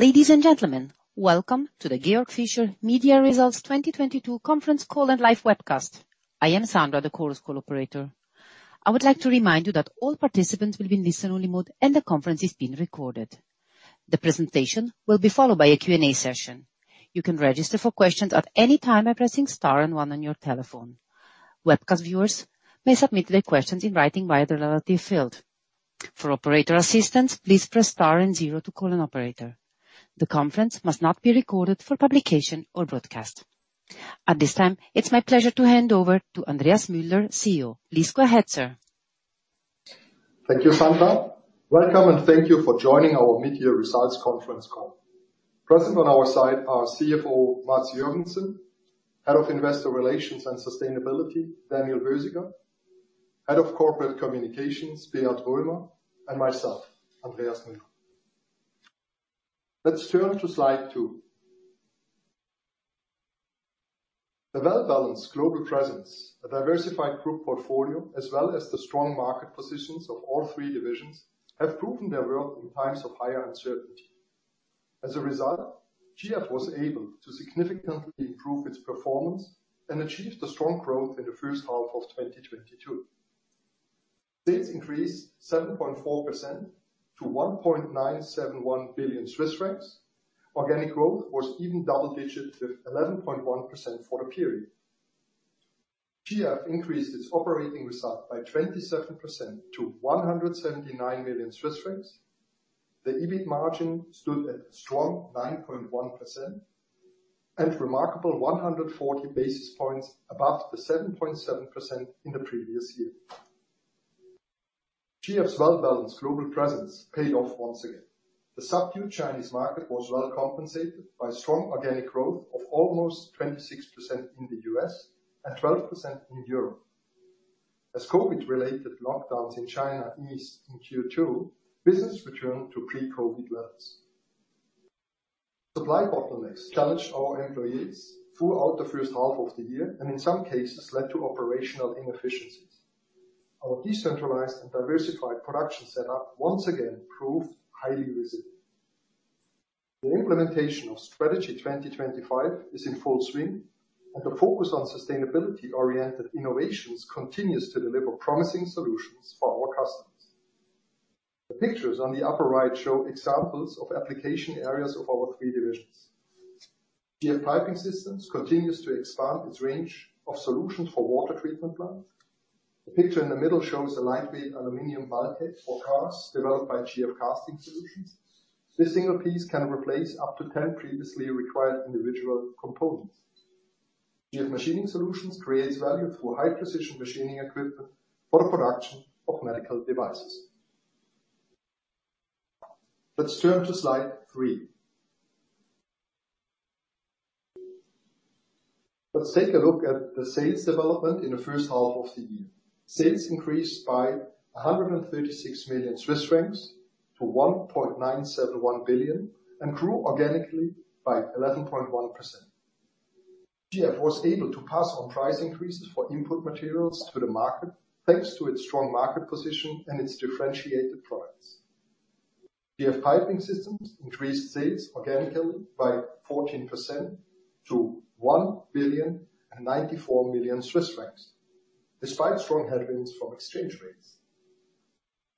Ladies and gentlemen, welcome to the Georg Fischer Media Results 2022 conference call and live webcast. I am Sandra, the Chorus Call operator. I would like to remind you that all participants will be in listen-only mode and the conference is being recorded. The presentation will be followed by a Q&A session. You can register for questions at any time by pressing star and one on your telephone. Webcast viewers may submit their questions in writing via the relative field. For operator assistance, please press star and zero to call an operator. The conference must not be recorded for publication or broadcast. At this time, it's my pleasure to hand over to Andreas Müller, CEO. Please go ahead, sir. Thank you, Sandra. Welcome, and thank you for joining our media results conference call. Present on our side are CFO Mads Joergensen, Head of Investor Relations and Sustainability Daniel Bösiger, Head of Corporate Communications Beat Römer, and myself, Andreas Müller. Let's turn to slide two. A well-balanced global presence, a diversified group portfolio, as well as the strong market positions of all three divisions have proven their worth in times of higher uncertainty. As a result, GF was able to significantly improve its performance and achieve the strong growth in the first half of 2022. Sales increased 7.4% to 1.971 billion Swiss francs. Organic growth was even double digits with 11.1% for the period. GF increased its operating result by 27% to 179 million Swiss francs. The EBIT margin stood at a strong 9.1% and remarkable 140 basis points above the 7.7% in the previous year. GF's well-balanced global presence paid off once again. The subdued Chinese market was well compensated by strong organic growth of almost 26% in the US and 12% in Europe. As COVID related lockdowns in China eased in Q2, business returned to pre-COVID levels. Supply bottlenecks challenged our employees throughout the first half of the year, and in some cases led to operational inefficiencies. Our decentralized and diversified production setup once again proved highly resilient. The implementation of Strategy 2025 is in full swing, and the focus on sustainability-oriented innovations continues to deliver promising solutions for our customers. The pictures on the upper right show examples of application areas of our three divisions. GF Piping Systems continues to expand its range of solutions for water treatment plants. The picture in the middle shows a lightweight aluminum bulkhead for cars developed by GF Casting Solutions. This single piece can replace up to 10 previously required individual components. GF Machining Solutions creates value through high precision machining equipment for the production of medical devices. Let's turn to slide three. Let's take a look at the sales development in the first half of the year. Sales increased by 136 million Swiss francs to 1.971 billion and grew organically by 11.1%. GF was able to pass on price increases for input materials to the market, thanks to its strong market position and its differentiated products. GF Piping Systems increased sales organically by 14% to 1.094 billion, despite strong headwinds from exchange rates.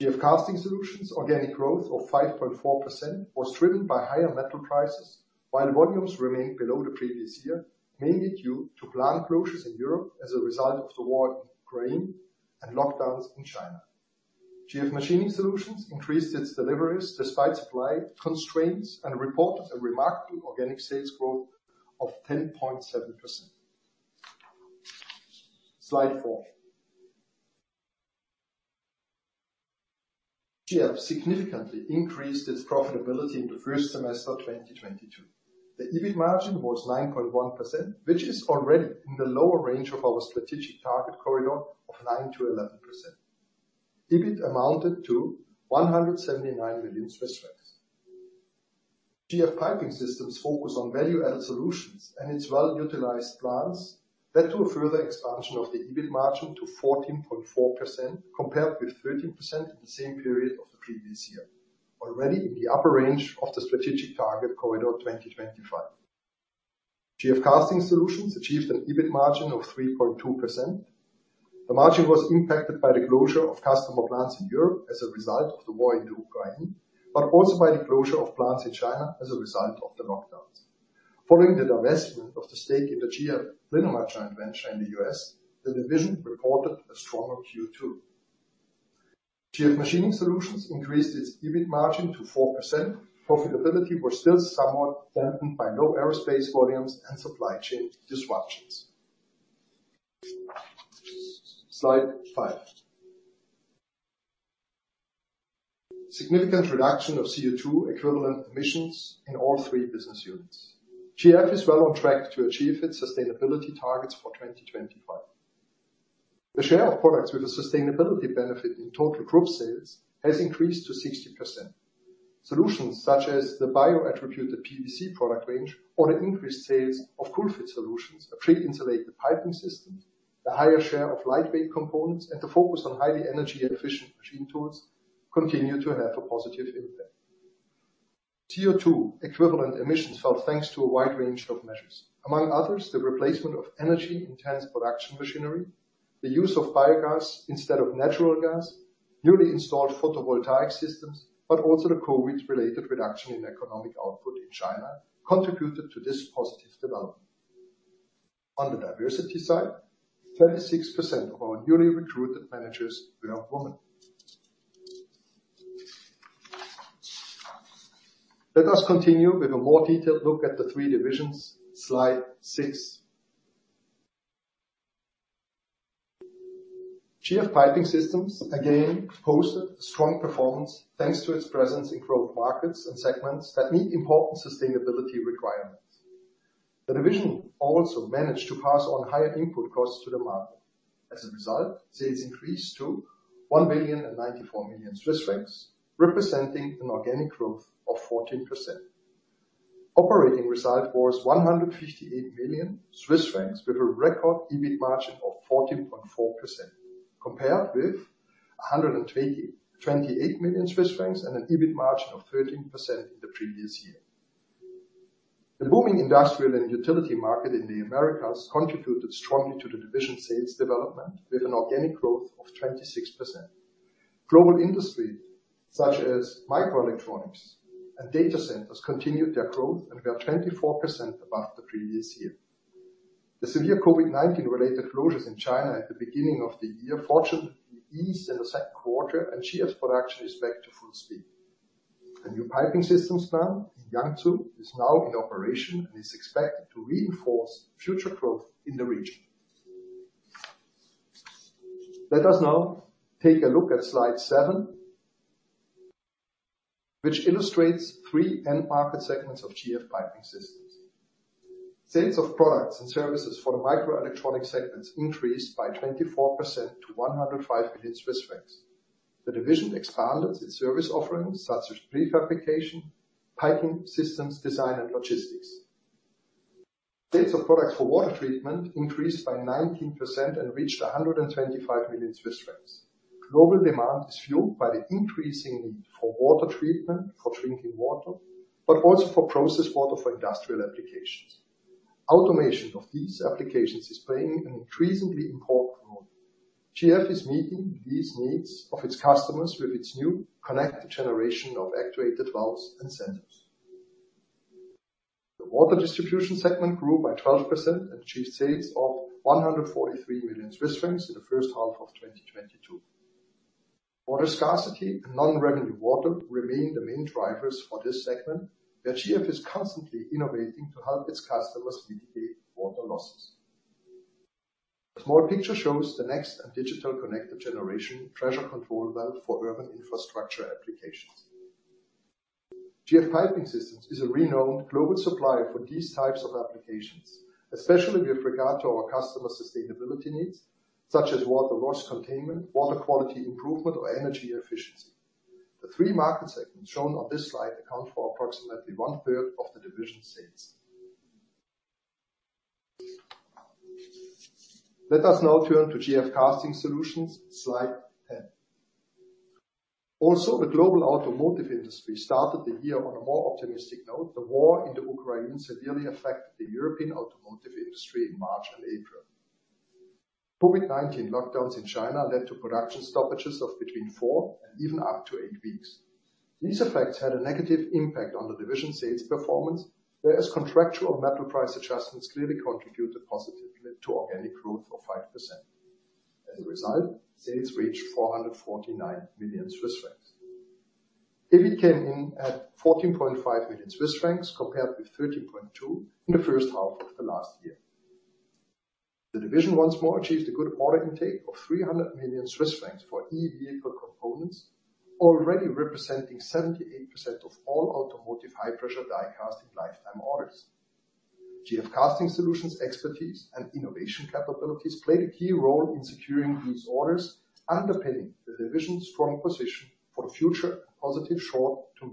GF Casting Solutions organic growth of 5.4% was driven by higher metal prices while volumes remained below the previous year, mainly due to plant closures in Europe as a result of the war in Ukraine and lockdowns in China. GF Machining Solutions increased its deliveries despite supply constraints and reported a remarkable organic sales growth of 10.7%. Slide four. GF significantly increased its profitability in the first semester 2022. The EBIT margin was 9.1%, which is already in the lower range of our strategic target corridor of 9%-11%. EBIT amounted to CHF 179 million. GF Piping Systems focus on value-added solutions and its well-utilized plants led to a further expansion of the EBIT margin to 14.4% compared with 13% in the same period of the previous year. Already in the upper range of the strategic target corridor 2025. GF Casting Solutions achieved an EBIT margin of 3.2%. The margin was impacted by the closure of customer plants in Europe as a result of the war in Ukraine, but also by the closure of plants in China as a result of the lockdowns. Following the divestment of the stake in the GF Linamar joint venture in the U.S., the division reported a stronger Q2. GF Machining Solutions increased its EBIT margin to 4%. Profitability was still somewhat dampened by low aerospace volumes and supply chain disruptions. Slide five. Significant reduction of CO₂ equivalent emissions in all three business units. GF is well on track to achieve its sustainability targets for 2025. The share of products with a sustainability benefit in total group sales has increased to 60%. Solutions such as the Bio-Attribute, the PVC product range, or the increased sales of COOL-FIT, a pre-insulated piping system. The higher share of lightweight components and the focus on highly energy-efficient machine tools continue to have a positive impact. CO₂ equivalent emissions fell thanks to a wide range of measures. Among others, the replacement of energy-intensive production machinery, the use of biogas instead of natural gas, newly installed photovoltaic systems, but also the COVID-related reduction in economic output in China contributed to this positive development. On the diversity side, 36% of our newly recruited managers were women. Let us continue with a more detailed look at the three divisions, slide six. GF Piping Systems again posted a strong performance thanks to its presence in growth markets and segments that meet important sustainability requirements. The division also managed to pass on higher input costs to the market. As a result, sales increased to 1.094 billion, representing an organic growth of 14%. Operating result was 158 million Swiss francs with a record EBIT margin of 14.4%, compared with 128 million Swiss francs and an EBIT margin of 13% in the previous year. The booming industrial and utility market in the Americas contributed strongly to the division sales development with an organic growth of 26%. Global industry such as microelectronics and data centers continued their growth and were 24% above the previous year. The severe COVID-19 related closures in China at the beginning of the year fortunately eased in the second quarter and GF's production is back to full speed. A new piping systems plant in Yangzhou is now in operation and is expected to reinforce future growth in the region. Let us now take a look at slide seven, which illustrates three end market segments of GF Piping Systems. Sales of products and services for microelectronic segments increased by 24% to 105 million Swiss francs. The division expanded its service offerings such as prefabrication, piping systems design and logistics. Sales of products for water treatment increased by 19% and reached 125 million Swiss francs. Global demand is fueled by the increasing need for water treatment for drinking water, but also for processed water for industrial applications. Automation of these applications is playing an increasingly important role. GF is meeting these needs of its customers with its new connected generation of actuated valves and sensors. The water distribution segment grew by 12% and achieved sales of 143 million Swiss francs in the first half of 2022. Water scarcity and non-revenue water remain the main drivers for this segment, where GF is constantly innovating to help its customers mitigate water losses. The small picture shows the next and digital connected generation pressure control valve for urban infrastructure applications. GF Piping Systems is a renowned global supplier for these types of applications, especially with regard to our customer sustainability needs, such as water loss containment, water quality improvement, or energy efficiency. The three market segments shown on this slide account for approximately one-third of the division sales. Let us now turn to GF Casting Solutions, slide 10. Also, the global automotive industry started the year on a more optimistic note. The war in the Ukraine severely affected the European automotive industry in March and April. COVID-19 lockdowns in China led to production stoppages of between four and even up to eight weeks. These effects had a negative impact on the division sales performance, whereas contractual metal price adjustments clearly contributed positively to organic growth of 5%. As a result, sales reached 449 million Swiss francs. EBIT came in at 14.5 million Swiss francs compared with 13.2 million in the first half of the last year. The division once more achieved a good order intake of 300 million Swiss francs for E-vehicle components, already representing 78% of all automotive high-pressure die casting lifetime orders. GF Casting Solutions expertise and innovation capabilities played a key role in securing these orders, underpinning the division's strong position for future positive short to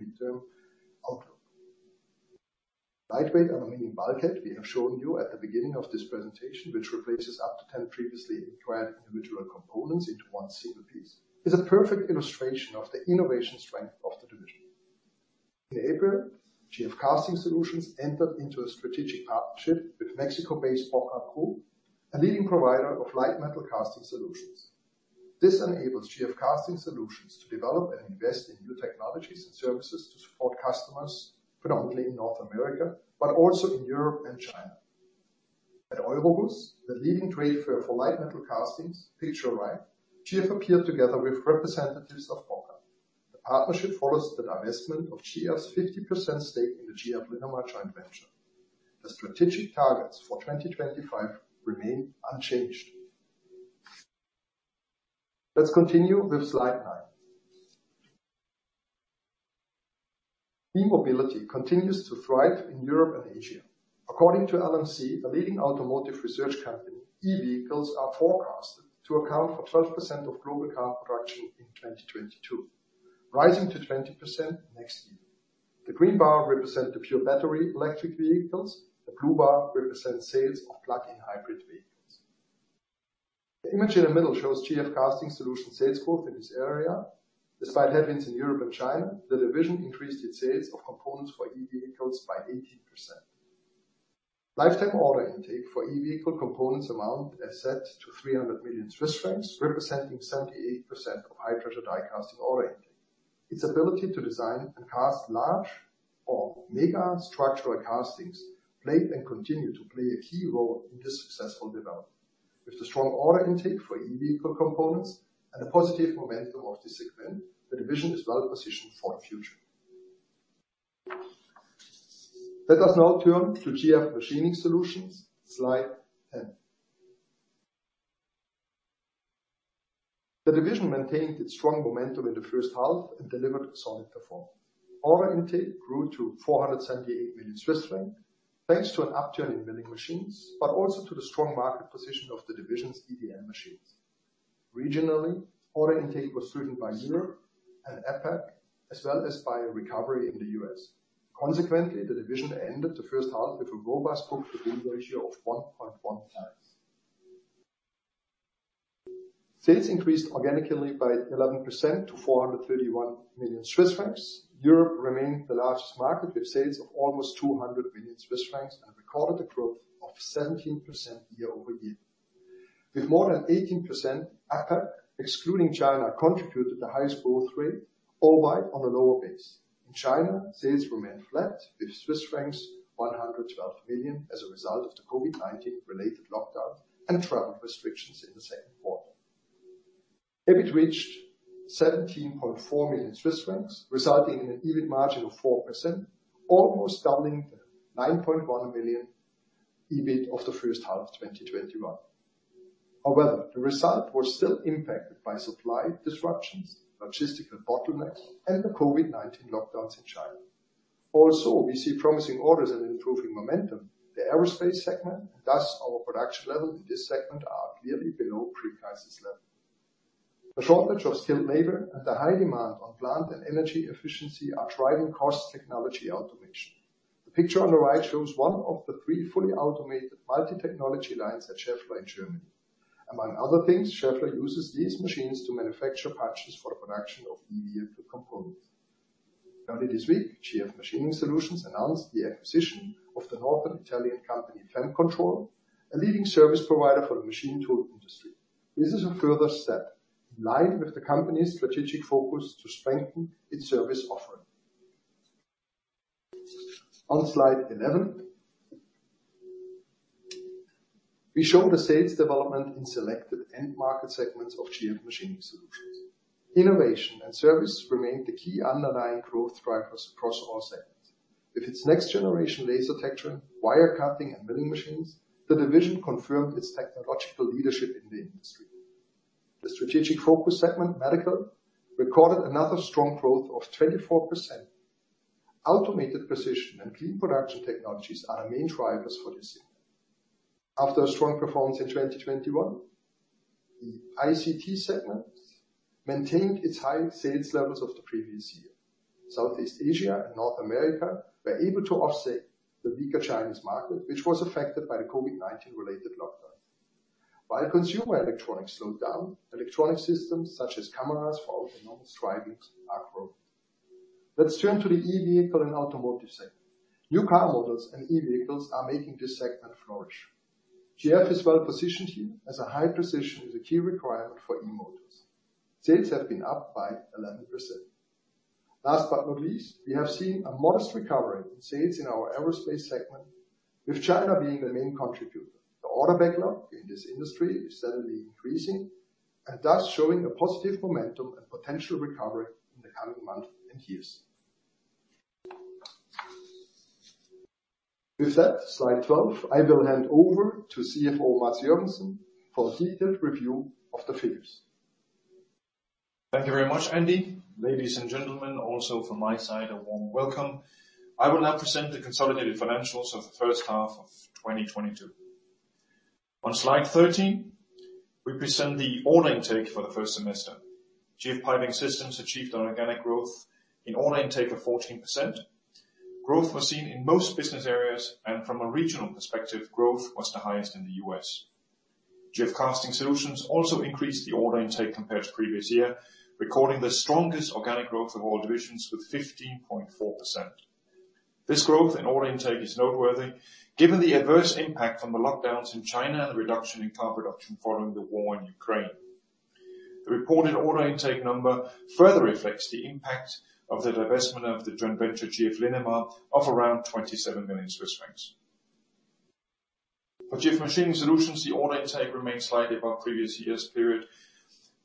midterm outlook. Lightweight aluminum bulkhead we have shown you at the beginning of this presentation, which replaces up to 10 previously required individual components into one single piece, is a perfect illustration of the innovation strength of the division. In April, GF Casting Solutions entered into a strategic partnership with Mexico-based Bocar Group, a leading provider of light metal casting solutions. This enables GF Casting Solutions to develop and invest in new technologies and services to support customers, predominantly in North America, but also in Europe and China. At Euroguss, the leading trade fair for light metal castings, picture right, GF appeared together with representatives of Bocar. The partnership follows the divestment of GF's 50% stake in the GF Linamar joint venture. The strategic targets for 2025 remain unchanged. Let's continue with slide nine. E-mobility continues to thrive in Europe and Asia. According to LMC, a leading automotive research company, EVs are forecasted to account for 12% of global car production in 2022, rising to 20% next year. The green bar represents the pure battery electric vehicles. The blue bar represents sales of plug-in hybrid vehicles. The image in the middle shows GF Casting Solutions sales growth in this area. Despite headwinds in Europe and China, the division increased its sales of components for EVs by 18%. Lifetime order intake for EV vehicle components amounts to 300 million Swiss francs, representing 78% of high-pressure die casting order intake. Its ability to design and cast large or mega structural castings played and continue to play a key role in this successful development. With the strong order intake for EV vehicle components and a positive momentum of this segment, the division is well-positioned for the future. Let us now turn to GF Machining Solutions, slide 10. The division maintained its strong momentum in the first half and delivered solid performance. Order intake grew to 478 million Swiss francs, thanks to an upturn in milling machines, but also to the strong market position of the division's EDM machines. Regionally, order intake was driven by Europe and APAC, as well as by a recovery in the U.S. Consequently, the division ended the first half with a robust book-to-bill ratio of 1.1x. Sales increased organically by 11% to 431 million Swiss francs. Europe remained the largest market, with sales of almost 200 million Swiss francs and recorded a growth of 17% year-over-year. With more than 18%, APAC, excluding China, contributed the highest growth rate, albeit on a lower base. In China, sales remained flat at Swiss francs 112 million, as a result of the COVID-19 related lockdown and travel restrictions in the second quarter. EBIT reached 17.4 million Swiss francs, resulting in an EBIT margin of 4%, almost doubling the 9.1 million EBIT of the first half of 2021. However, the result was still impacted by supply disruptions, logistical bottlenecks, and the COVID-19 lockdowns in China. Also, we see promising orders and improving momentum. The aerospace segment, thus our production level in this segment, are clearly below pre-crisis level. The shortage of skilled labor and the high demand on plant and energy efficiency are driving cost technology automation. The picture on the right shows one of the three fully automated multi-technology lines at Schaeffler in Germany. Among other things, Schaeffler uses these machines to manufacture punches for the production of EV vehicle components. Earlier this week, GF Machining Solutions announced the acquisition of the Northern Italian company, Vam Control S.r.l., a leading service provider for the machine tool industry. This is a further step in line with the company's strategic focus to strengthen its service offering. On slide 11, we show the sales development in selected end market segments of GF Machining Solutions. Innovation and service remained the key underlying growth drivers across all segments. With its next generation laser texturing, wire cutting, and milling machines, the division confirmed its technological leadership in the industry. The strategic focus segment, medical, recorded another strong growth of 24%. Automated precision and clean production technologies are our main drivers for this segment. After a strong performance in 2021, the ICT segment maintained its high sales levels of the previous year. Southeast Asia and North America were able to offset the weaker Chinese market, which was affected by the COVID-19 related lockdown. While consumer electronics slowed down, electronic systems such as cameras for autonomous driving are growing. Let's turn to the EV vehicle and automotive segment. New car models and EV vehicles are making this segment flourish. GF is well-positioned here as a high precision is a key requirement for E-motors. Sales have been up by 11%. Last but not least, we have seen a modest recovery in sales in our aerospace segment, with China being the main contributor. The order backlog in this industry is steadily increasing and thus showing a positive momentum and potential recovery in the coming months and years. With that, slide 12, I will hand over to CFO Mads Joergensen for a detailed review of the figures. Thank you very much, Andi. Ladies and gentlemen, also from my side, a warm welcome. I will now present the consolidated financials of the first half of 2022. On slide 13, we present the order intake for the first semester. GF Piping Systems achieved an organic growth in order intake of 14%. Growth was seen in most business areas, and from a regional perspective, growth was the highest in the U.S. GF Casting Solutions also increased the order intake compared to previous year, recording the strongest organic growth of all divisions with 15.4%. This growth in order intake is noteworthy given the adverse impact from the lockdowns in China and the reduction in car production following the war in Ukraine. The reported order intake number further reflects the impact of the divestment of the joint venture, GF Linamar, of around 27 million Swiss francs. For GF Machining Solutions, the order intake remains slightly above previous year's period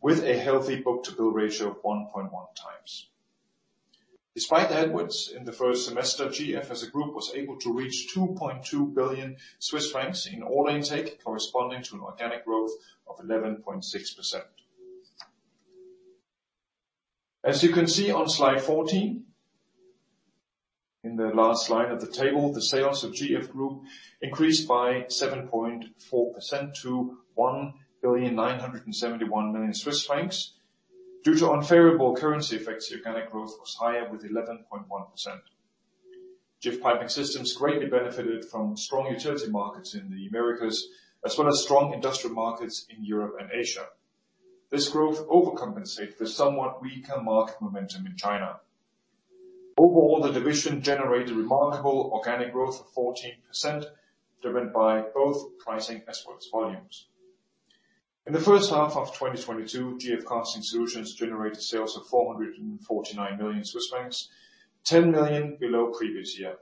with a healthy book-to-bill ratio of 1.1x. Despite the headwinds in the first semester, GF, as a group, was able to reach 2.2 billion Swiss francs in order intake, corresponding to an organic growth of 11.6%. As you can see on slide 14, in the last line of the table, the sales of GF Group increased by 7.4% to 1.971 billion. Due to unfavorable currency effects, the organic growth was higher with 11.1%. GF Piping Systems greatly benefited from strong utility markets in the Americas, as well as strong industrial markets in Europe and Asia. This growth overcompensate the somewhat weaker market momentum in China. Overall, the division generated remarkable organic growth of 14%, driven by both pricing as well as volumes. In the first half of 2022, GF Casting Solutions generated sales of 449 million Swiss francs, 10 million below previous year.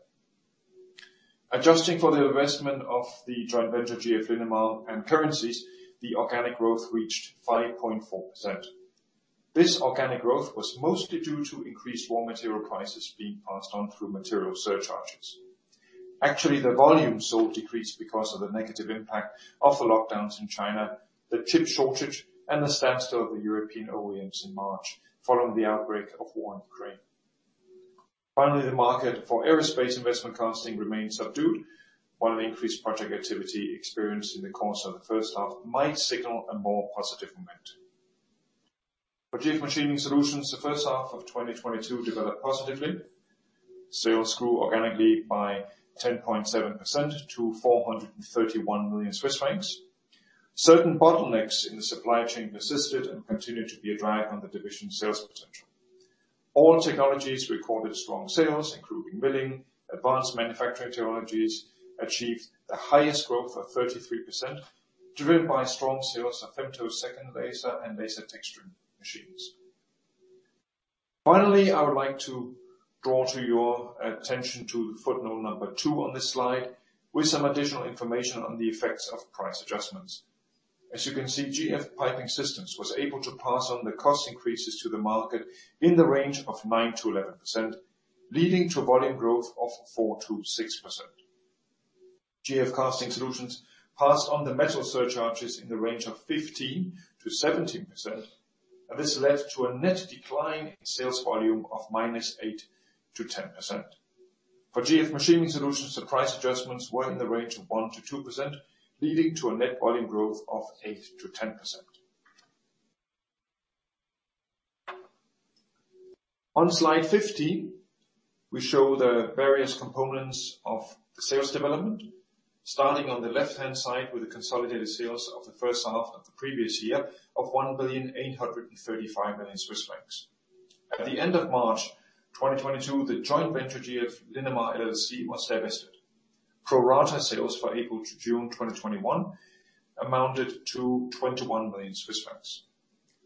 Adjusting for the investment of the joint venture, GF Linamar, and currencies, the organic growth reached 5.4%. This organic growth was mostly due to increased raw material prices being passed on through material surcharges. Actually, the volume sold decreased because of the negative impact of the lockdowns in China, the chip shortage, and the standstill of the European OEMs in March, following the outbreak of war in Ukraine. Finally, the market for aerospace investment casting remains subdued, while an increased project activity experienced in the course of the first half might signal a more positive momentum. For GF Machining Solutions, the first half of 2022 developed positively. Sales grew organically by 10.7% to 431 million Swiss francs. Certain bottlenecks in the supply chain persisted and continue to be a drag on the division's sales potential. All technologies recorded strong sales, including milling. Advanced manufacturing technologies achieved the highest growth of 33%, driven by strong sales of femtosecond laser and laser texturing machines. Finally, I would like to draw to your attention to footnote number two on this slide with some additional information on the effects of price adjustments. As you can see, GF Piping Systems was able to pass on the cost increases to the market in the range of 9%-11%, leading to volume growth of 4%-6%. GF Casting Solutions passed on the metal surcharges in the range of 15%-17%, and this led to a net decline in sales volume of -8%-10%. For GF Machining Solutions, the price adjustments were in the range of 1%-2%, leading to a net volume growth of 8%-10%. On slide 15, we show the various components of the sales development, starting on the left-hand side with the consolidated sales of the first half of the previous year of 1.835 billion. At the end of March 2022, the joint venture, GF Linamar LLC, was divested. Pro rata sales for April to June 2021 amounted to 21 million Swiss francs.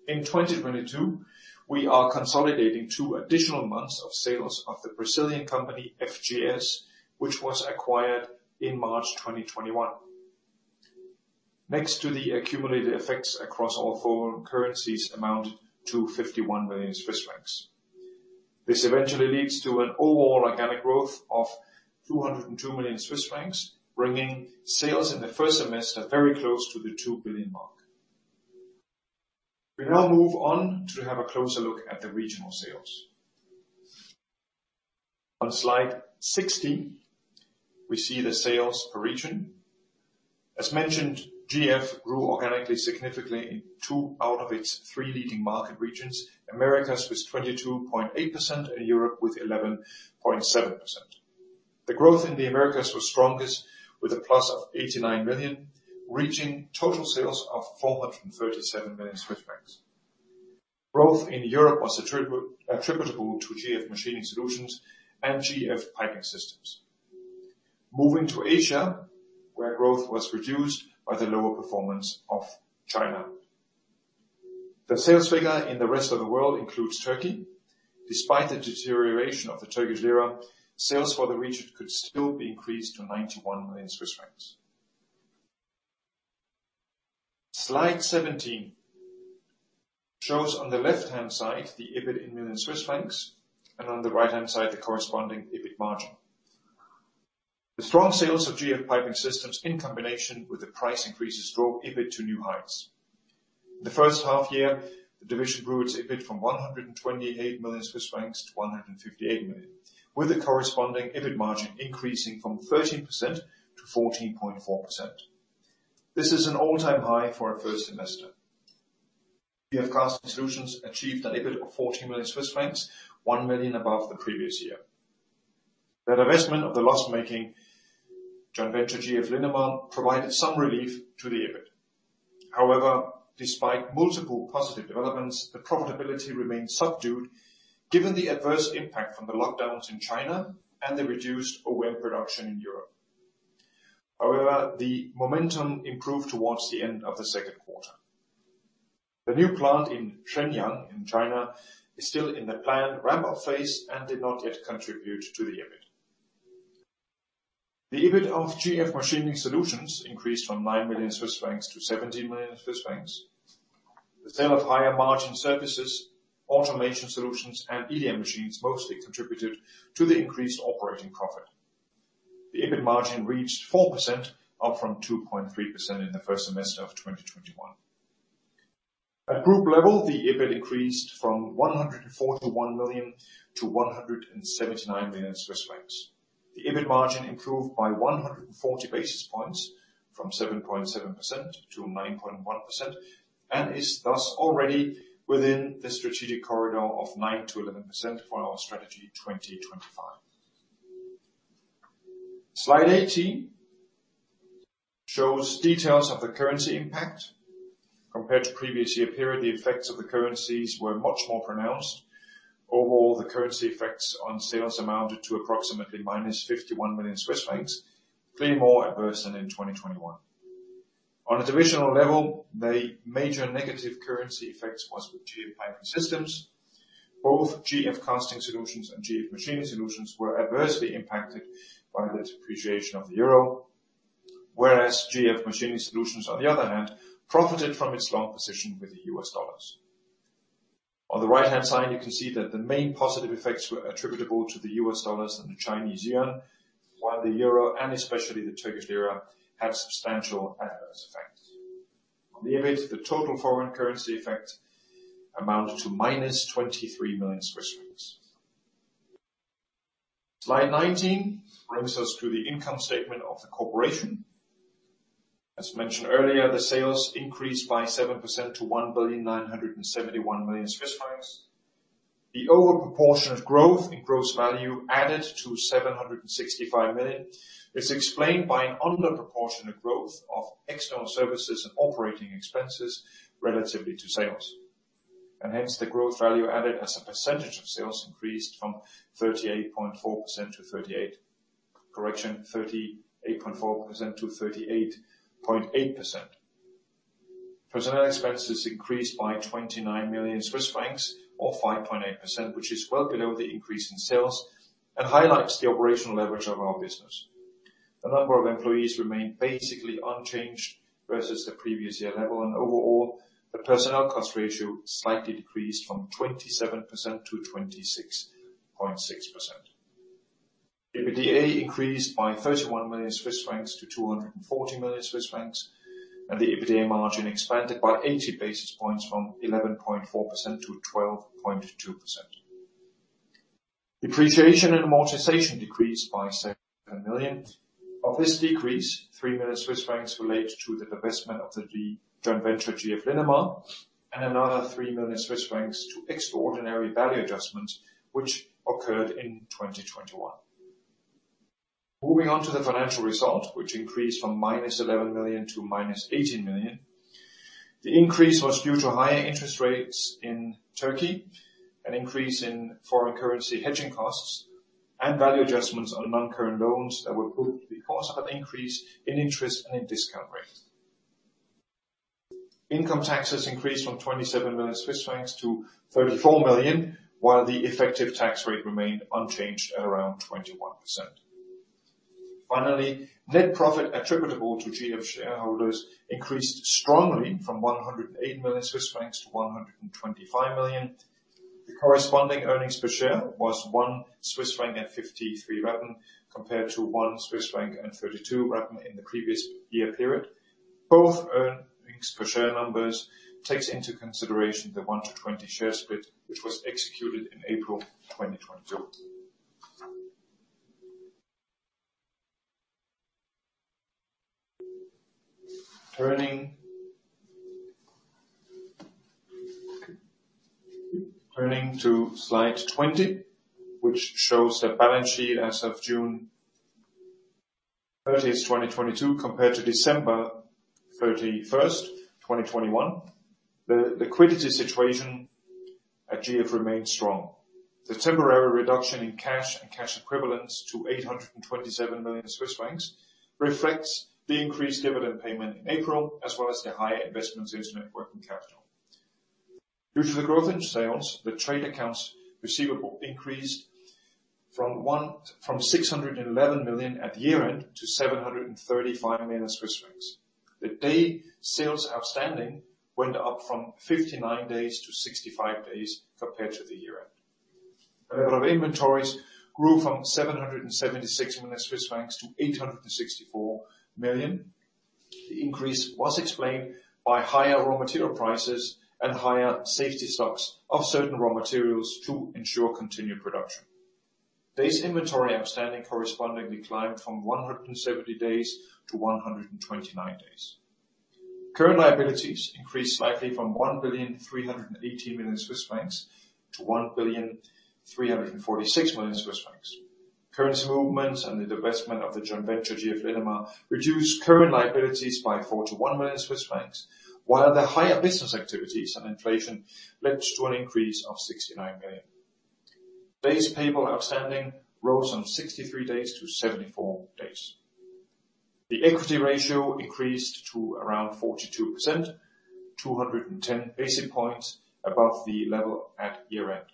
In 2022, we are consolidating two additional months of sales of the Brazilian company, FGS, which was acquired in March 2021. In addition, the accumulated effects across all foreign currencies amount to 51 million Swiss francs. This eventually leads to an overall organic growth of 202 million Swiss francs, bringing sales in the first semester very close to the 2 billion mark. We now move on to have a closer look at the regional sales. On slide 16, we see the sales per region. As mentioned, GF grew organically significantly in two out of its three leading market regions, Americas with 22.8% and Europe with 11.7%. The growth in the Americas was strongest with a plus of 89 million, reaching total sales of 437 million Swiss francs. Growth in Europe was attributable to GF Machining Solutions and GF Piping Systems. Moving to Asia, where growth was reduced by the lower performance of China. The sales figure in the rest of the world includes Turkey. Despite the deterioration of the Turkish lira, sales for the region could still be increased to 91 million Swiss francs. Slide 17 shows on the left-hand side the EBIT in millions Swiss francs, and on the right-hand side, the corresponding EBIT margin. The strong sales of GF Piping Systems in combination with the price increases drove EBIT to new heights. The first half year, the division grew its EBIT from 128 million Swiss francs to 158 million, with the corresponding EBIT margin increasing from 13%-14.4%. This is an all-time high for a first semester. GF Casting Solutions achieved an EBIT of 40 million Swiss francs, 1 million above the previous year. The divestment of the loss-making joint venture, GF Linamar, provided some relief to the EBIT. Despite multiple positive developments, the profitability remains subdued given the adverse impact from the lockdowns in China and the reduced OEM production in Europe. The momentum improved towards the end of the second quarter. The new plant in Shenyang in China is still in the planned ramp-up phase and did not yet contribute to the EBIT. The EBIT of GF Machining Solutions increased from 9 million-17 million Swiss francs. The sale of higher margin services, automation solutions, and EDM machines mostly contributed to the increased operating profit. The EBIT margin reached 4%, up from 2.3% in the first semester of 2021. At group level, the EBIT increased from 141 million-179 million Swiss francs. The EBIT margin improved by 140 basis points from 7.7%-9.1%, and is thus already within the strategic corridor of 9%-11% for our Strategy 2025. Slide 18 shows details of the currency impact. Compared to previous year period, the effects of the currencies were much more pronounced. Overall, the currency effects on sales amounted to approximately -51 million Swiss francs, clearly more adverse than in 2021. On a divisional level, the major negative currency effects was with GF Piping Systems. Both GF Casting Solutions and GF Machining Solutions were adversely impacted by the depreciation of the euro, whereas GF Machining Solutions, on the other hand, profited from its long position with the U.S. dollars. On the right-hand side, you can see that the main positive effects were attributable to the US dollar and the Chinese yuan, while the euro and especially the Turkish lira had substantial adverse effect. On the image, the total foreign currency effect amounted to -CHF 23 million. Slide 19 brings us to the income statement of the corporation. As mentioned earlier, the sales increased by 7% to 1.971 billion Swiss francs. The over-proportionate growth in gross value added to 765 million is explained by an under proportionate growth of external services and operating expenses relatively to sales. Hence, the gross value added as a percentage of sales increased from 38.4%-38.8%. Personnel expenses increased by 29 million Swiss francs, or 5.8%, which is well below the increase in sales and highlights the operational leverage of our business. The number of employees remained basically unchanged versus the previous year level, and overall, the personnel cost ratio slightly decreased from 27%-26.6%. EBITDA increased by 31 million-240 million Swiss francs, and the EBITDA margin expanded by 80 basis points from 11.4%-12.2%. Depreciation and amortization decreased by 7 million. Of this decrease, 3 million Swiss francs relate to the divestment of the joint venture GF Linamar, and another 3 million Swiss francs to extraordinary value adjustments which occurred in 2021. Moving on to the financial result, which increased from -11 million to -18 million. The increase was due to higher interest rates in Turkey, an increase in foreign currency hedging costs, and value adjustments on non-current loans that were put because of an increase in interest and in discount rates. Income taxes increased from 27 million-34 million Swiss francs, while the effective tax rate remained unchanged at around 21%. Net profit attributable to GF shareholders increased strongly from 108 million-125 million Swiss francs. The corresponding earnings per share was 1.53 Swiss franc, compared to 1.32 Swiss franc in the previous year period. Both earnings per share numbers takes into consideration the 1-to-20 share split, which was executed in April 2022. Turning to slide 20, which shows the balance sheet as of June 30th, 2022 compared to December 31st, 2021. The liquidity situation at GF remains strong. The temporary reduction in cash and cash equivalents to 827 million Swiss francs reflects the increased dividend payment in April, as well as the higher investments in working capital. Due to the growth in sales, the trade accounts receivable increased from 611 million at year-end to 735 million Swiss francs. The day sales outstanding went up from 59 days to 65 days compared to the year-end. The level of inventories grew from 776 million-864 million Swiss francs. The increase was explained by higher raw material prices and higher safety stocks of certain raw materials to ensure continued production. Days inventory outstanding correspondingly climbed from 170 days to 129 days. Current liabilities increased slightly from 1.38 billion-1.346 billion Swiss francs. Currency movements and the divestment of the joint venture GF Linamar reduced current liabilities by 41 million Swiss francs, while the higher business activities and inflation led to an increase of 69 million. Days payable outstanding rose from 63 days to 74 days. The equity ratio increased to around 42%, 210 basis points above the level at year-end.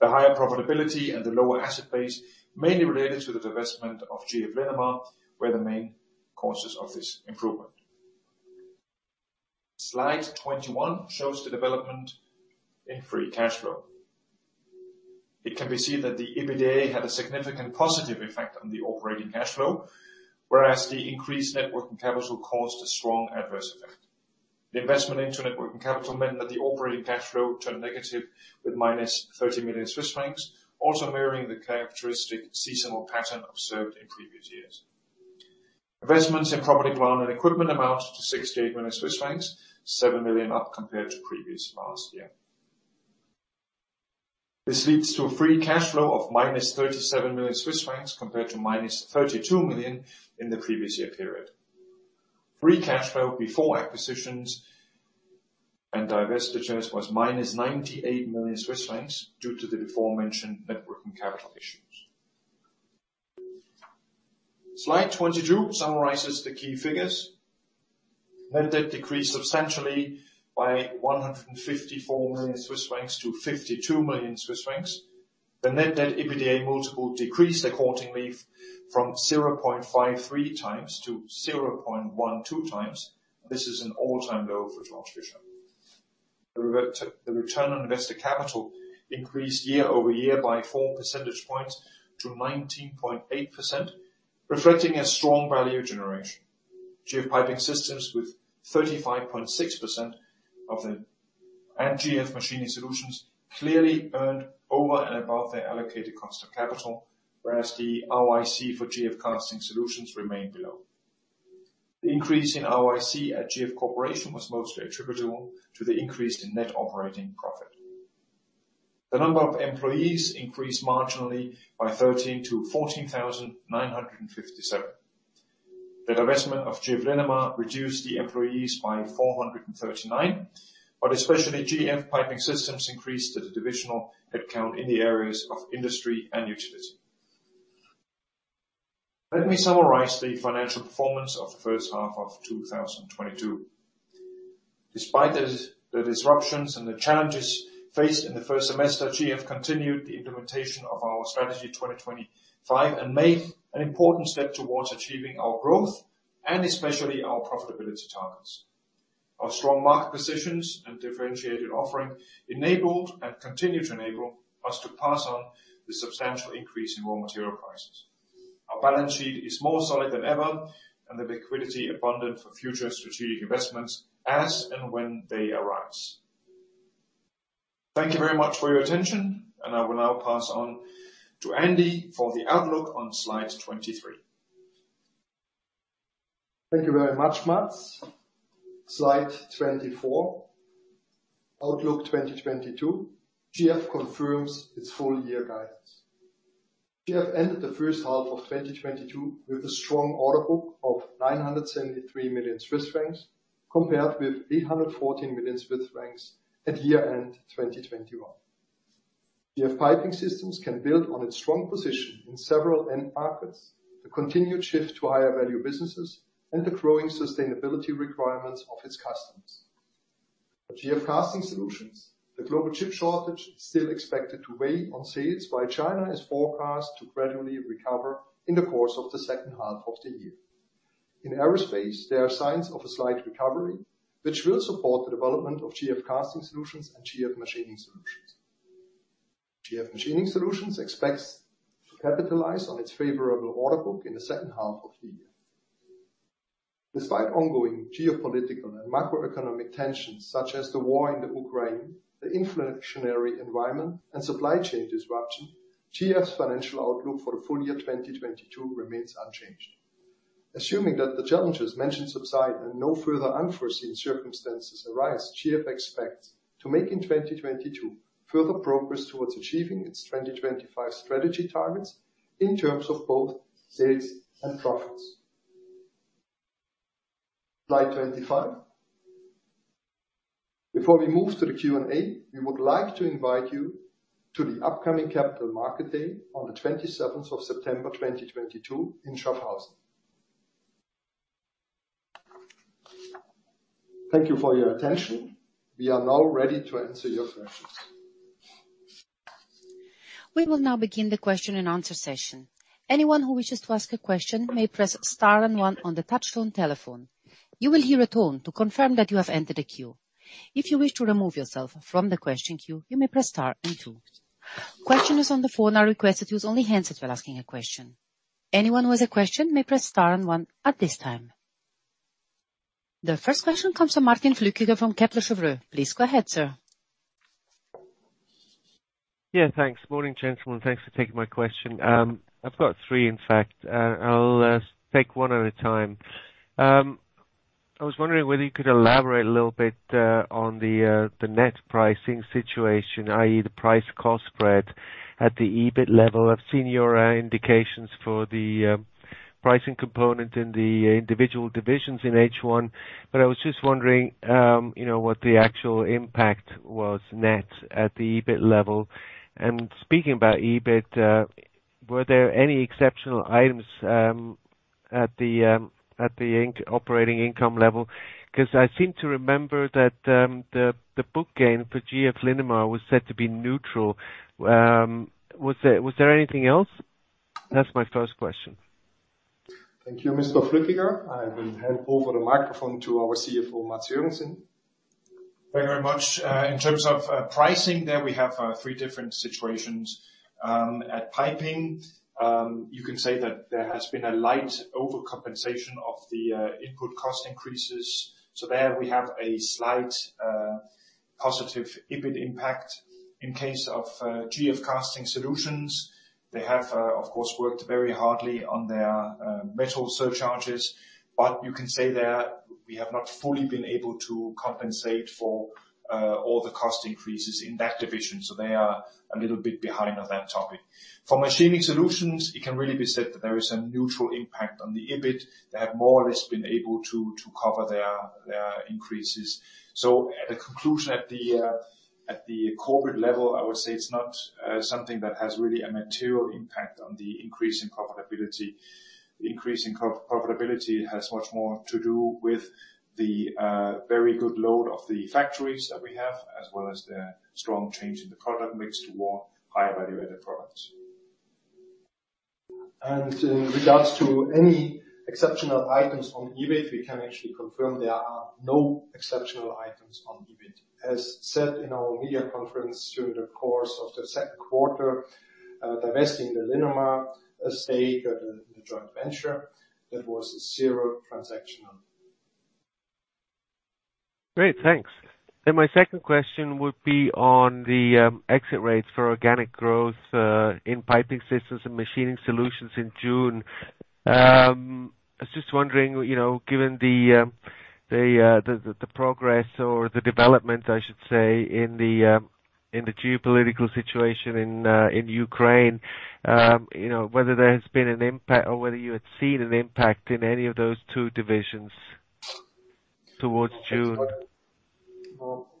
The higher profitability and the lower asset base, mainly related to the divestment of GF Linamar, were the main causes of this improvement. Slide 21 shows the development in free cash flow. It can be seen that the EBITDA had a significant positive effect on the operating cash flow, whereas the increased net working capital caused a strong adverse effect. The investment into net working capital meant that the operating cash flow turned negative with -30 million Swiss francs, also mirroring the characteristic seasonal pattern observed in previous years. Investments in property, plant, and equipment amounted to 68 million Swiss francs, 7 million up compared to the previous year. This leads to a free cash flow of -37 million Swiss francs compared to -32 million in the previous year period. Free cash flow before acquisitions and divestitures was -98 million Swiss francs due to the aforementioned net working capital issues. Slide 22 summarizes the key figures. Net debt decreased substantially by 154 million-52 million Swiss francs. The net debt to EBITDA multiple decreased accordingly from 0.53x to 0.12x. This is an all-time low for GF Piping Systems. The return on invested capital increased year-over-year by 4 percentage points to 19.8%, reflecting a strong value generation. GF Piping Systems, with 35.6%, GF Machining Solutions clearly earned over and above their allocated cost of capital, whereas the ROIC for GF Casting Solutions remained below. The increase in ROIC at Georg Fischer was mostly attributable to the increase in net operating profit. The number of employees increased marginally from 13,000 to 14,957. The divestment of GF Linamar reduced the employees by 439, but especially GF Piping Systems increased the divisional headcount in the areas of industry and utility. Let me summarize the financial performance of the first half of 2022. Despite the disruptions and the challenges faced in the first semester, GF continued the implementation of our Strategy 2025 and made an important step towards achieving our growth and especially our profitability targets. Our strong market positions and differentiated offering enabled and continue to enable us to pass on the substantial increase in raw material prices. Our balance sheet is more solid than ever, and liquidity is abundant for future strategic investments as and when they arise. Thank you very much for your attention, and I will now pass on to Andy for the outlook on slide 23. Thank you very much, Mads. Slide 24, Outlook 2022. GF confirms its full year guidance. GF ended the first half of 2022 with a strong order book of 973 million Swiss francs, compared with 814 million Swiss francs at year-end 2021. GF Piping Systems can build on its strong position in several end markets, the continued shift to higher value businesses and the growing sustainability requirements of its customers. At GF Casting Solutions, the global chip shortage is still expected to weigh on sales while China is forecast to gradually recover in the course of the second half of the year. In aerospace, there are signs of a slight recovery, which will support the development of GF Casting Solutions and GF Machining Solutions. GF Machining Solutions expects to capitalize on its favorable order book in the second half of the year. Despite ongoing geopolitical and macroeconomic tensions such as the war in the Ukraine, the inflationary environment and supply chain disruption, GF's financial outlook for the full year 2022 remains unchanged. Assuming that the challenges mentioned subside and no further unforeseen circumstances arise, GF expects to make in 2022 further progress towards achieving its Strategy 2025 targets in terms of both sales and profits. Slide 25. Before we move to the Q&A, we would like to invite you to the upcoming Capital Markets Day on the 27th of September 2022 in Schaffhausen. Thank you for your attention. We are now ready to answer your questions. We will now begin the Q&A session. Anyone who wishes to ask a question may press star and one on the touchtone telephone. You will hear a tone to confirm that you have entered a queue. If you wish to remove yourself from the question queue, you may press star and two. Questioners on the phone are requested to use only handsets while asking a question. Anyone who has a question may press star and one at this time. The first question comes from Martin Flückiger from Kepler Cheuvreux. Please go ahead, sir. Yeah, thanks. Morning, gentlemen. Thanks for taking my question. I've got three, in fact. I'll take one at a time. I was wondering whether you could elaborate a little bit on the net pricing situation, i.e., the price cost spread at the EBIT level. I've seen your indications for the pricing component in the individual divisions in H1, but I was just wondering, you know, what the actual impact was net at the EBIT level. Speaking about EBIT, were there any exceptional items at the operating income level? 'Cause I seem to remember that the book gain for GF Linamar was said to be neutral. Was there anything else? That's my first question. Thank you, Mr. Flückiger. I will hand over the microphone to our CFO, Mads Joergensen. Thank you very much. In terms of pricing there, we have three different situations. At Piping, you can say that there has been a slight overcompensation of the input cost increases. There we have a slight positive EBIT impact. In case of GF Casting Solutions, they have of course worked very hard on their metal surcharges, but you can say that we have not fully been able to compensate for all the cost increases in that division, so they are a little bit behind on that topic. For Machining Solutions, it can really be said that there is a neutral impact on the EBIT. They have more or less been able to to cover their their increases. At the conclusion, at the corporate level, I would say it's not something that has really a material impact on the increase in profitability. Increasing profitability has much more to do with the very good load of the factories that we have, as well as the strong change in the product mix toward higher value-added products. In regards to any exceptional items on EBIT, we can actually confirm there are no exceptional items on EBIT. As said in our media conference during the course of the second quarter, divesting the Linamar stake in the joint venture, that was a zero transaction. Great. Thanks. My second question would be on the exit rates for organic growth in Piping Systems and Machining Solutions in June. I was just wondering, you know, given the progress or the developments, I should say, in the geopolitical situation in Ukraine, you know, whether there has been an impact or whether you had seen an impact in any of those two divisions towards June? Well,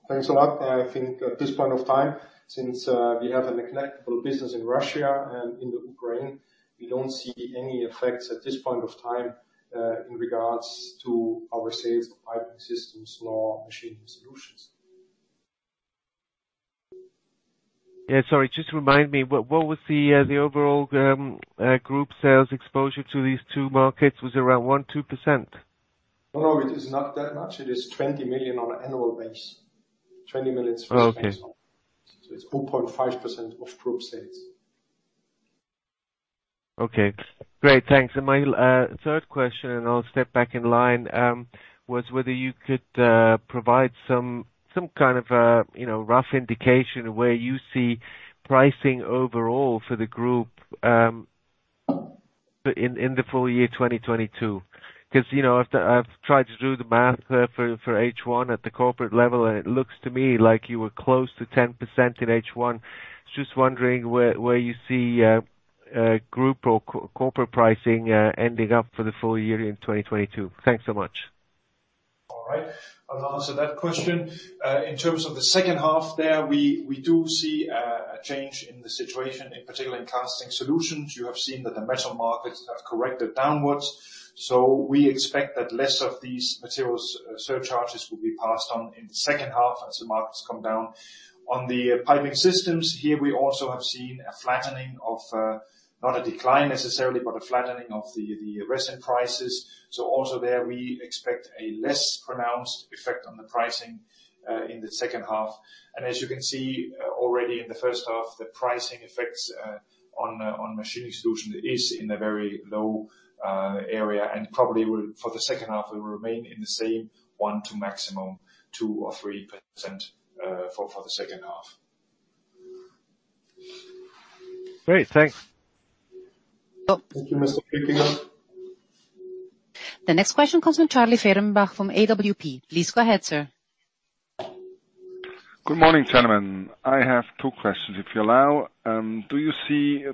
thanks a lot. I think at this point of time, since we have a negligible business in Russia and in the Ukraine, we don't see any effects at this point of time in regards to our sales of Piping Systems or Machining Solutions. Yeah, sorry. Just remind me. What was the overall group sales exposure to these two markets? Was it around 1%-2%? No, it is not that much. It is 20 million on an annual basis. 20 million. Okay. It's 4.5% of group sales. Okay. Great. Thanks. My third question, and I'll step back in line, was whether you could provide some kind of a, you know, rough indication of where you see pricing overall for the group, in the full year 2022. 'Cause, you know, after I've tried to do the math there for H1 at the corporate level, and it looks to me like you were close to 10% in H1. Just wondering where you see group or corporate pricing ending up for the full year in 2022. Thanks so much. All right. I'll answer that question. In terms of the second half there, we do see a change in the situation, in particular in Casting Solutions. You have seen that the metal markets have corrected downwards, so we expect that less of these materials surcharges will be passed on in the second half as the markets come down. On the Piping Systems, here we also have seen a flattening of not a decline necessarily, but a flattening of the resin prices. So also there, we expect a less pronounced effect on the pricing in the second half. As you can see, already in the first half, the pricing effects on Machining Solutions is in a very low area and probably will, for the second half, remain in the same 1% to maximum 2% or 3%. Great. Thanks. Thank you, Mr. Martin The next question comes from Charlie Fehrenbach from AWP. Please go ahead, sir. Good morning, gentlemen. I have two questions, if you allow. Do you see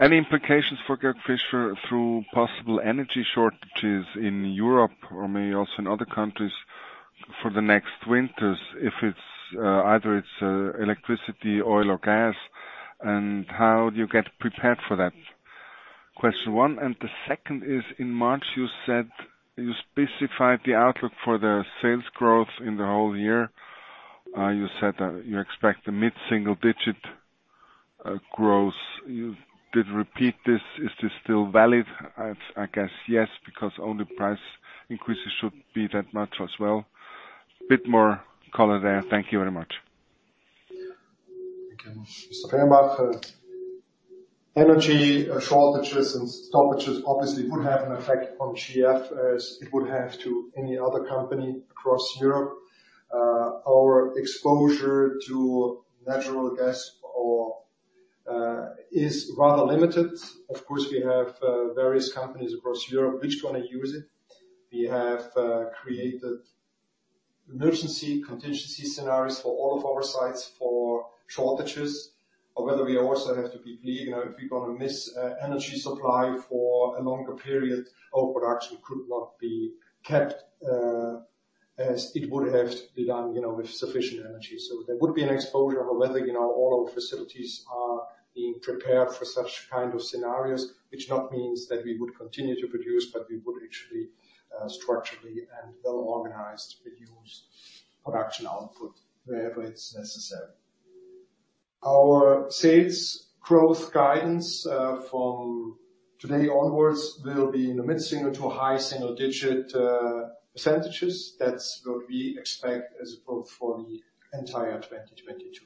any implications for Georg Fischer through possible energy shortages in Europe or maybe also in other countries for the next winters, if it's either electricity, oil or gas, and how do you get prepared for that? Question one. The second is, in March you said you specified the outlook for the sales growth in the whole year. You said you expect a mid-single-digit growth. You did repeat this. Is this still valid? I guess yes, because only price increases should be that much as well. A bit more color there. Thank you very much. Thank you, Mr. Fehrenbach. Energy shortages and stoppages obviously could have an effect on GF as it would have to any other company across Europe. Our exposure to natural gas is rather limited. Of course, we have various companies across Europe which gonna use it. We have created emergency contingency scenarios for all of our sites for shortages if we gonna miss energy supply for a longer period or production could not be kept as it would have to be done with sufficient energy. There would be an exposure, however, all our facilities are being prepared for such kind of scenarios, which does not mean that we would continue to produce, but we would actually structurally and well organized reduce production output wherever it's necessary. Our sales growth guidance from today onwards will be in the mid-single-digit to high single-digit %. That's what we expect as growth for the entire 2022.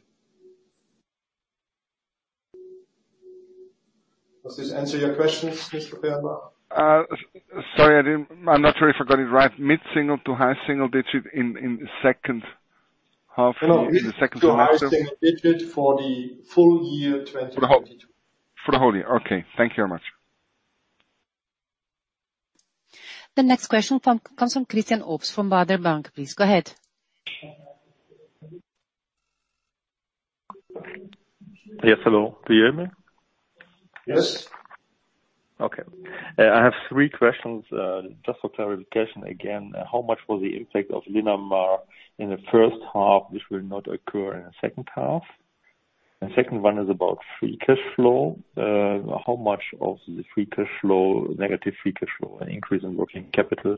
Does this answer your question, Mr. Fehrenbach? Sorry, I'm not sure if I got it right. Mid-single to high single digit in the second half or in the second semester? No, mid- to high-single-digit % for the full year 2022. For the whole year. Okay, thank you very much. The next question comes from Christian Obst from Baader Bank. Please, go ahead. Yes, hello. Do you hear me? Yes. Okay. I have three questions. Just for clarification, again, how much will the impact of Linamar in the first half, which will not occur in the second half? The second one is about free cash flow. How much of the free cash flow, negative free cash flow, an increase in working capital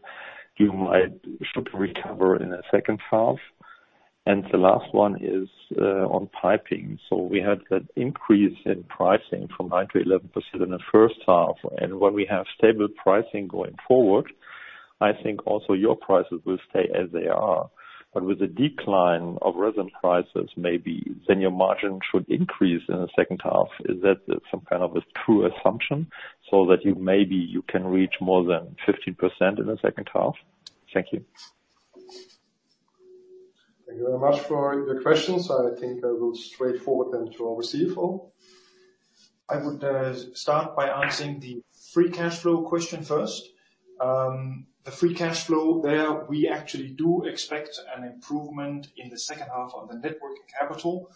you might recover in the second half. The last one is on piping. We had that increase in pricing from 9%-11% in the first half, and when we have stable pricing going forward, I think also your prices will stay as they are. But with the decline of resin prices, maybe then your margin should increase in the second half. Is that some kind of a true assumption so that you maybe you can reach more than 15% in the second half? Thank you. Thank you very much for your questions. I think I will go straight forward then to our CFO. I would start by answering the free cash flow question first. The free cash flow there, we actually do expect an improvement in the second half on the net working capital.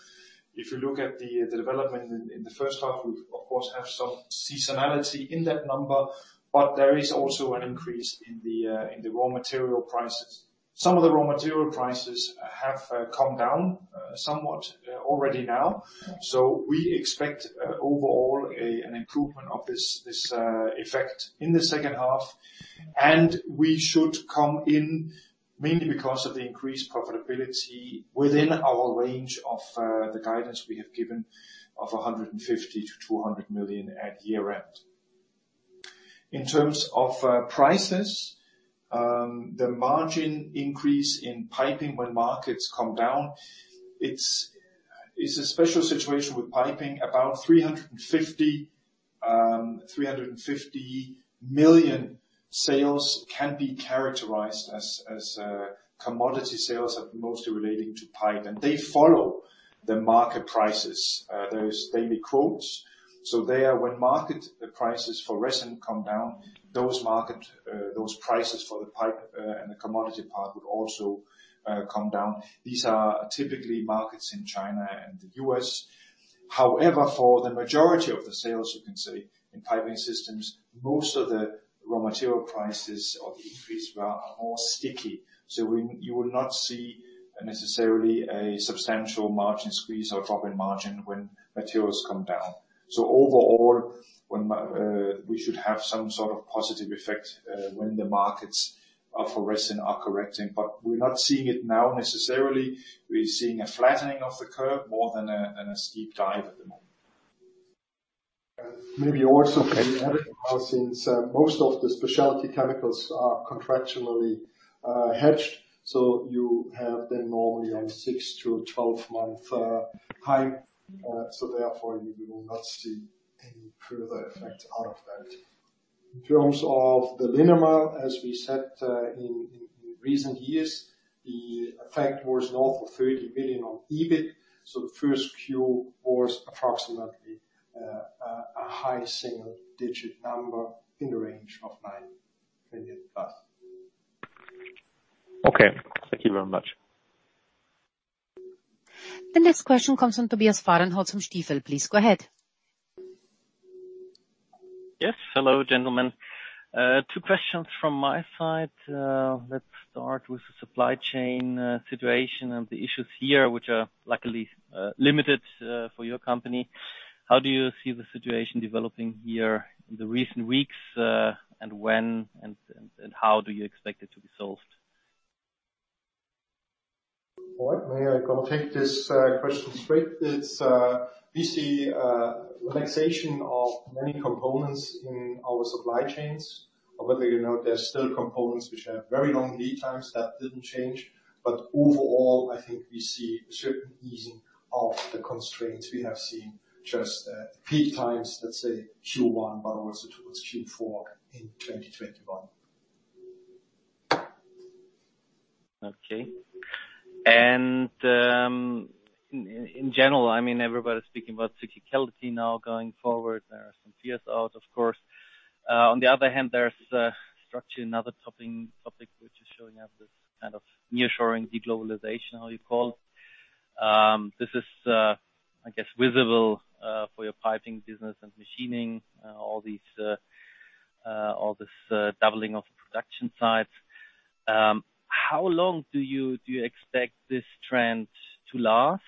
If you look at the development in the first half, we of course have some seasonality in that number, but there is also an increase in the raw material prices. Some of the raw material prices have come down somewhat already now. We expect overall an improvement of this effect in the second half. We should come in, mainly because of the increased profitability within our range of the guidance we have given of 150 million-200 million at year-end. In terms of prices, the margin increase in piping when markets come down, it's a special situation with piping. About 350 million sales can be characterized as commodity sales, mostly relating to pipe, and they follow the market prices. There are daily quotes, so they are when market prices for resin come down, those prices for the pipe and the commodity pipe would also come down. These are typically markets in China and the U.S. However, for the majority of the sales, you can say in piping systems, most of the raw material price increases are more sticky. You will not see necessarily a substantial margin squeeze or drop in margin when materials come down. Overall, when we should have some sort of positive effect, when the markets for resin are correcting. We're not seeing it now necessarily. We're seeing a flattening of the curve more than a steep dive at the moment. Maybe also can you add, since most of the specialty chemicals are contractually hedged, so you have then normally a 6-12-month time. Therefore, you will not see any further effect out of that. In terms of the Linamar, as we said, in recent years, the effect was north of 30 million on EBIT. The first Q was approximately a high single-digit number in the range of 9 million+. Okay, thank you very much. The next question comes from Tobias Fahrenholz from Stifel. Please go ahead. Yes. Hello, gentlemen. Two questions from my side. Let's start with the supply chain situation and the issues here, which are luckily limited for your company. How do you see the situation developing here in the recent weeks, and when and how do you expect it to be solved? All right. May I go take this question straight? It's we see relaxation of many components in our supply chains. Whether you know, there's still components which have very long lead times, that didn't change. Overall, I think we see a certain easing of the constraints we have seen just at peak times, let's say Q1, but also towards Q4 in 2021. Okay. In general, I mean everybody's speaking about cyclicality now going forward. There are some fears out, of course. On the other hand, there's another topic which is showing up, this kind of nearshoring, de-globalization, how you call. This is, I guess, visible for your piping business and machining, all this doubling of production sites. How long do you expect this trend to last?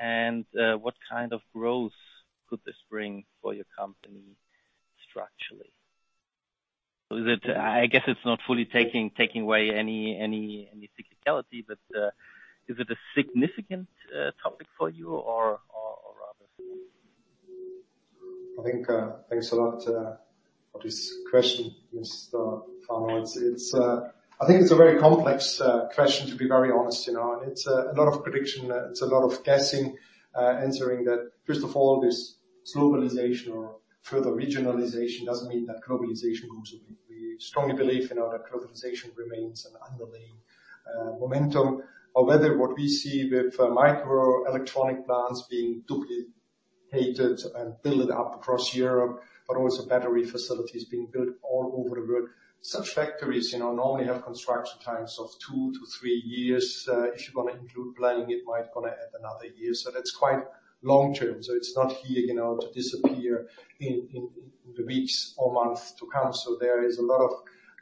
What kind of growth could this bring for your company structurally? Is it, I guess it's not fully taking away any cyclicality, but is it a significant topic for you or rather? I think, thanks a lot for this question, Mr. Fahrenholz. It's, I think it's a very complex question, to be very honest, you know. It's a lot of prediction. It's a lot of guessing, answering that. First of all, this globalization or further regionalization doesn't mean that globalization goes away. We strongly believe, you know, that globalization remains an underlying momentum, or whether what we see with microelectronic plants being duplicated and build up across Europe, but also battery facilities being built all over the world. Such factories, you know, normally have construction times of two to three years. If you wanna include planning, it might gonna add another year. That's quite long-term. It's not here, you know, to disappear in the weeks or month to come. There is a lot of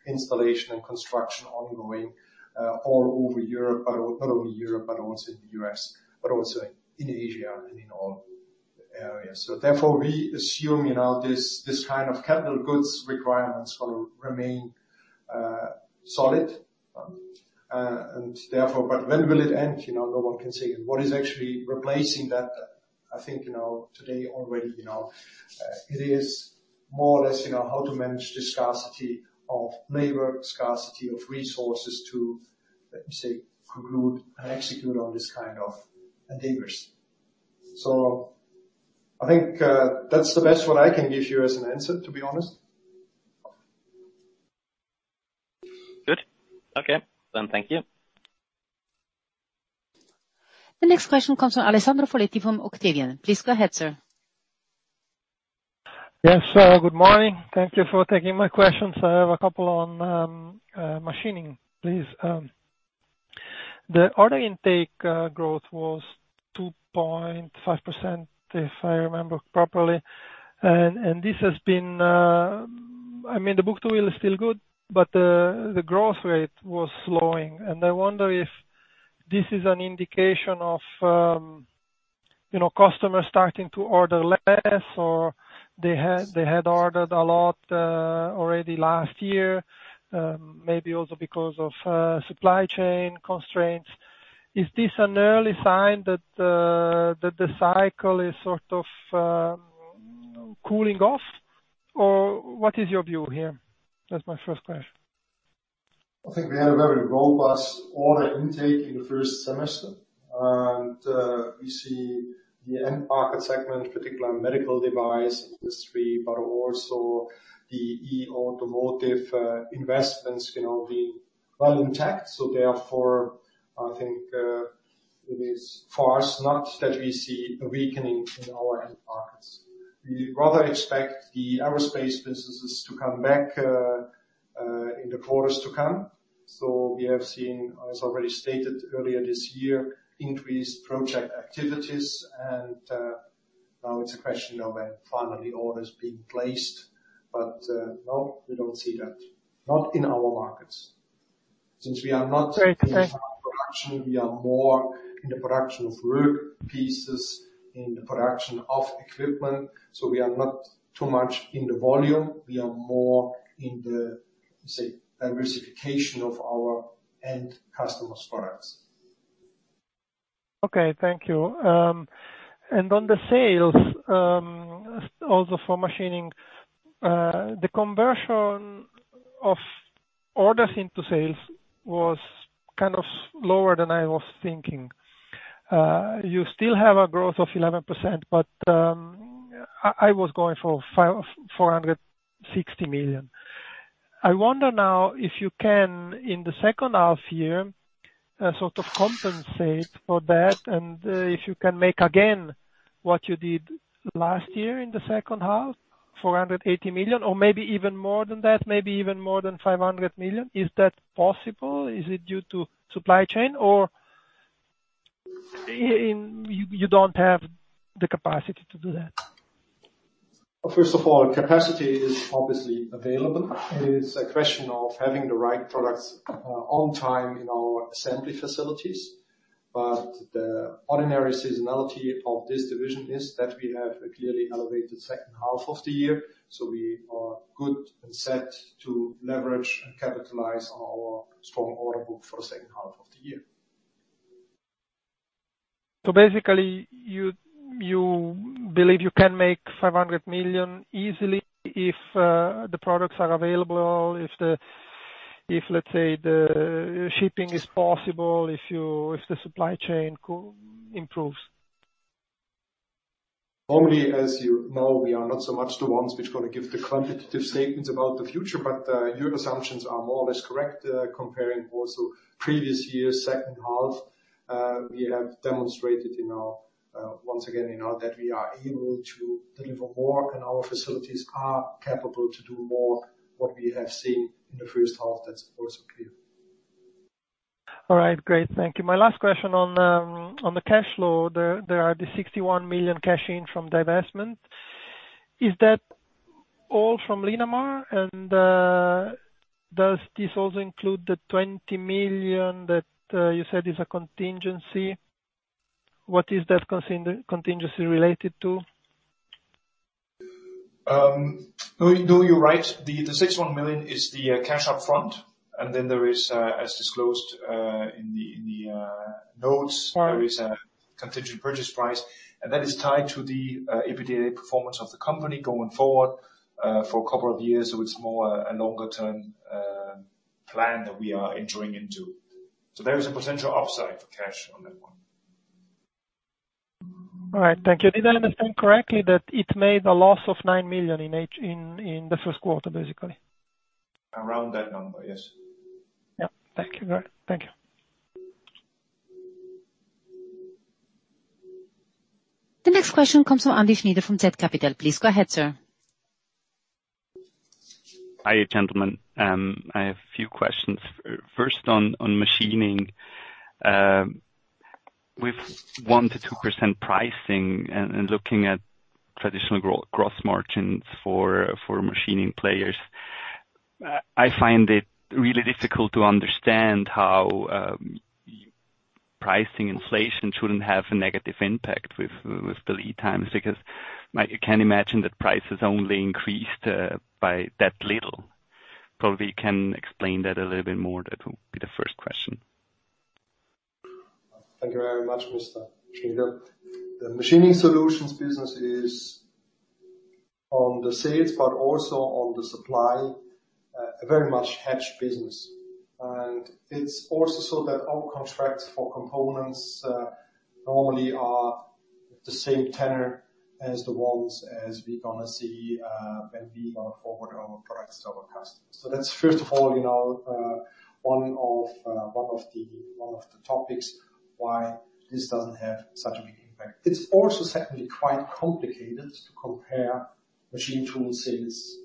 installation and construction ongoing all over Europe. Not only Europe, but also in the US, but also in Asia and in all areas. Therefore, we assume, you know, this kind of capital goods requirements will remain solid. When will it end? You know, no one can say. What is actually replacing that? I think, you know, today already, you know, it is more or less, you know, how to manage the scarcity of labor, scarcity of resources to, let me say, conclude and execute on this kind of endeavors. I think, that's the best one I can give you as an answer, to be honest. Good. Okay. Thank you. The next question comes from Alessandro Poletti from Octavian. Please go ahead, sir. Yes. Good morning. Thank you for taking my questions. I have a couple on machining, please. The order intake growth was 2.5%, if I remember properly. This has been, I mean, the book-to-bill is still good, but the growth rate was slowing. I wonder if this is an indication of, you know, customers starting to order less, or they had ordered a lot already last year, maybe also because of supply chain constraints. Is this an early sign that the cycle is sort of cooling off? Or what is your view here? That's my first question. I think we had a very robust order intake in the first semester. We see the end market segment, particularly medical device industry, but also the E-automotive investments, you know, being well intact. Therefore, I think, it is far from such that we see a weakening in our end markets. We rather expect the aerospace businesses to come back in the quarters to come. We have seen, as already stated earlier this year, increased project activities. Now it's a question of when finally orders being placed. No, we don't see that. Not in our markets. Since we are not. Okay. In production, we are more in the production of work pieces, in the production of equipment. We are not too much in the volume. We are more in the, say, diversification of our end customers' products. Okay, thank you. On the sales, also for machining, the conversion of orders into sales was kind of lower than I was thinking. You still have a growth of 11%, but I was going for 460 million. I wonder now if you can, in the second half year, sort of compensate for that and if you can make again what you did last year in the second half, 480 million, or maybe even more than that, maybe even more than 500 million. Is that possible? Is it due to supply chain or you don't have the capacity to do that? First of all, capacity is obviously available. It is a question of having the right products on time in our assembly facilities. The ordinary seasonality of this division is that we have a clearly elevated second half of the year, so we are good and set to leverage and capitalize our strong order book for the second half of the year. Basically, you believe you can make 500 million easily if the products are available, if, let's say, the shipping is possible, if the supply chain improves. Normally, as you know, we are not so much the ones which gonna give the quantitative statements about the future, but, your assumptions are more or less correct. Comparing also previous year's second half, we have demonstrated, you know, once again, you know, that we are able to deliver more and our facilities are capable to do more what we have seen in the first half. That's also clear. All right. Great. Thank you. My last question on the cash flow. There are 61 million cash in from divestment. Is that all from Linamar? And does this also include the 20 million that you said is a contingency? What is that contingency related to? No, you're right. The 61 million is the cash up front, and then there is, as disclosed, in the notes. Right. There is a contingent purchase price, and that is tied to the EBITDA performance of the company going forward, for a couple of years. It's more a longer-term plan that we are entering into. There is a potential upside for cash on that one. All right. Thank you. Did I understand correctly that it made a loss of 9 million in the first quarter, basically? Around that number, yes. Yep. Thank you. Thank you. The next question comes from Andy Schnyder from zCapital. Please go ahead, sir. Hi, gentlemen. I have a few questions. First on machining. With 1%-2% pricing and looking at traditional gross margins for machining players, I find it really difficult to understand how pricing inflation shouldn't have a negative impact with the lead times, because I can't imagine that price has only increased by that little. Probably can explain that a little bit more. That would be the first question. Thank you very much, Mr. Schnyder. The Machining Solutions business is on the sales but also on the supply, a very much hedged business. It's also so that all contracts for components normally are the same tenor as the ones as we're gonna see, when we gonna forward our products to our customers. That's first of all, you know, one of the topics why this doesn't have such a big impact. It's also, secondly, quite complicated to compare machine tool sales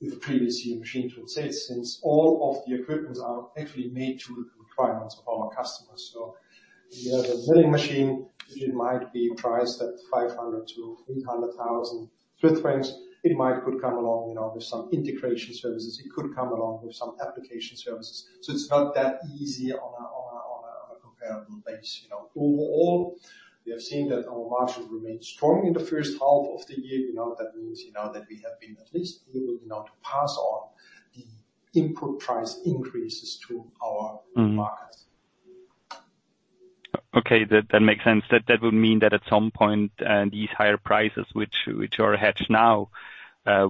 with previous year machine tool sales, since all of the equipments are actually made to the requirements of our customers. You know, the milling machine, it might be priced at 500 thousand-800 thousand Swiss francs within range. It might could come along, you know, with some integration services. It could come along with some application services. It's not that easy on a comparable basis, you know. Overall, we have seen that our margin remained strong in the first half of the year. You know, that means, you know, that we have been at least able, you know, to pass on the input price increases to our- Mm-hmm. -markets. Okay. That makes sense. That would mean that at some point, these higher prices, which are hedged now,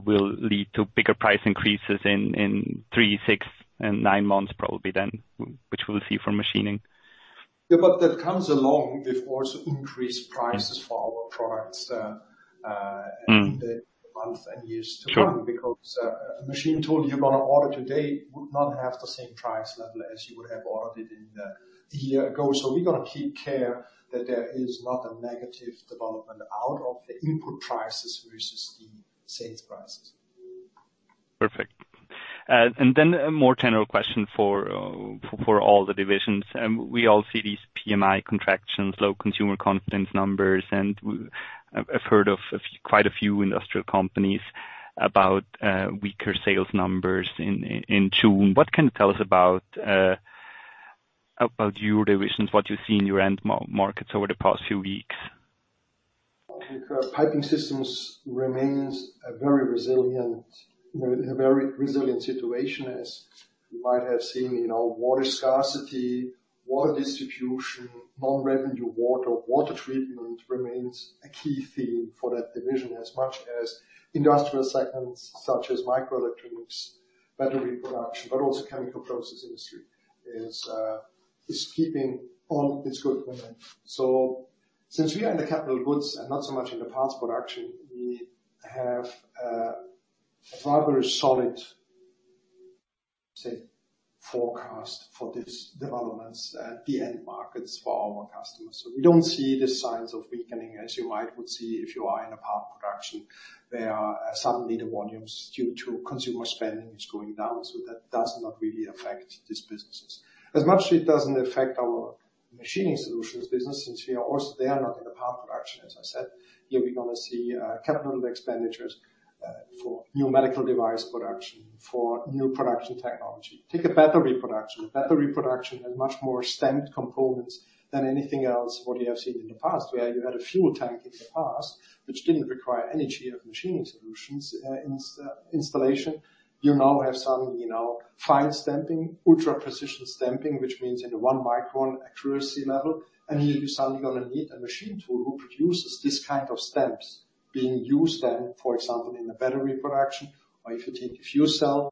will lead to bigger price increases in three, six and nine months probably then, which we'll see from machining. Yeah, that comes along with also increased prices for our products. Mm. in the months and years to come. Sure. Because a machine tool you're gonna order today would not have the same price level as you would have ordered it in a year ago. We gotta keep care that there is not a negative development out of the input prices versus the sales prices. Perfect. A more general question for all the divisions. We all see these PMI contractions, low consumer confidence numbers, and I've heard of quite a few industrial companies about weaker sales numbers in June. What can you tell us about your divisions, what you see in your end markets over the past few weeks? Okay. Piping Systems remains a very resilient, you know, a very resilient situation. As you might have seen, you know, water scarcity, water distribution, non-revenue water treatment remains a key theme for that division as much as industrial segments such as microelectronics, battery production, but also chemical process industry is keeping all its good momentum. Since we are in the capital goods and not so much in the parts production, we have a rather solid, say, forecast for these developments at the end markets for our customers. We don't see the signs of weakening as you might would see if you are in a part production. There are suddenly the volumes due to consumer spending is going down, so that does not really affect these businesses. As much as it doesn't affect our machining solutions business since they are not in the part production, as I said. Here we're gonna see capital expenditures for new medical device production, for new production technology. Take a battery production. Battery production has much more stamped components than anything else what you have seen in the past, where you had a fuel tank in the past which didn't require any gear of machining solutions. Installation, you now have some, you know, fine stamping, ultra-precision stamping, which means in the one micron accuracy level, and you suddenly gonna need a machine tool who produces this kind of stamps being used then, for example, in a battery production. If you take a fuel cell,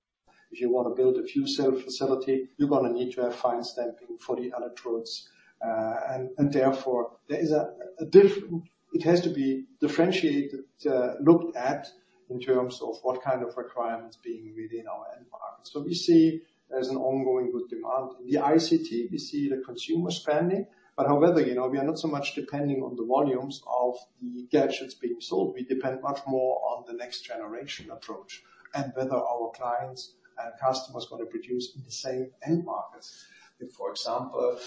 if you want to build a fuel cell facility, you're gonna need to have fine stamping for the electrodes. Therefore, it has to be differentiated, looked at in terms of what kind of requirements being within our end markets. We see there's an ongoing good demand. The ICT, we see the consumer spending, but however, you know, we are not so much depending on the volumes of the gadgets being sold. We depend much more on the next generation approach and whether our clients and customers gonna produce in the same end markets. For example,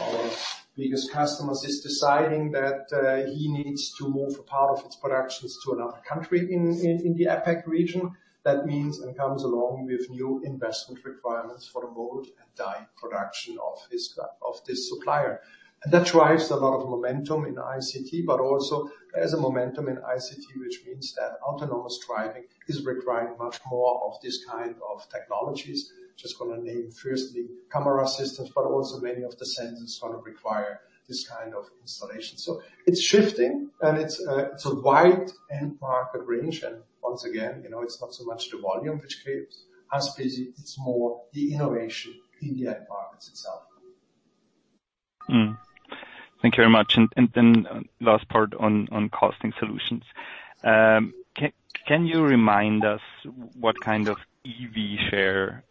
our biggest customers is deciding that he needs to move a part of its productions to another country in the APAC region, that means and comes along with new investment requirements for the mold and die production of this supplier. That drives a lot of momentum in ICT, but also there's a momentum in ICT, which means that autonomous driving is requiring much more of this kind of technologies. Just gonna name firstly camera systems, but also many of the sensors gonna require this kind of installation. It's shifting, and it's a wide end market range. Once again, you know, it's not so much the volume which keeps us busy, it's more the innovation in the end markets itself. Thank you very much. Last part on casting solutions. Can you remind us what kind of EV share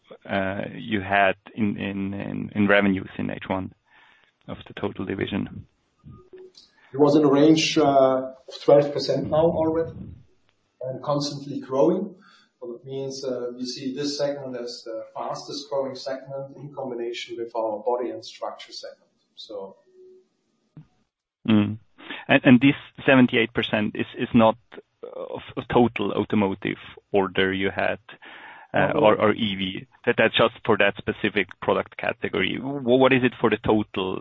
you had in revenues in H1 of the total division? It was in a range of 12% now already, and constantly growing. It means we see this segment as the fastest-growing segment in combination with our body and structure segment. Mm-hmm. This 78% is not of total automotive order you had. No or EV. That's just for that specific product category. What is it for the total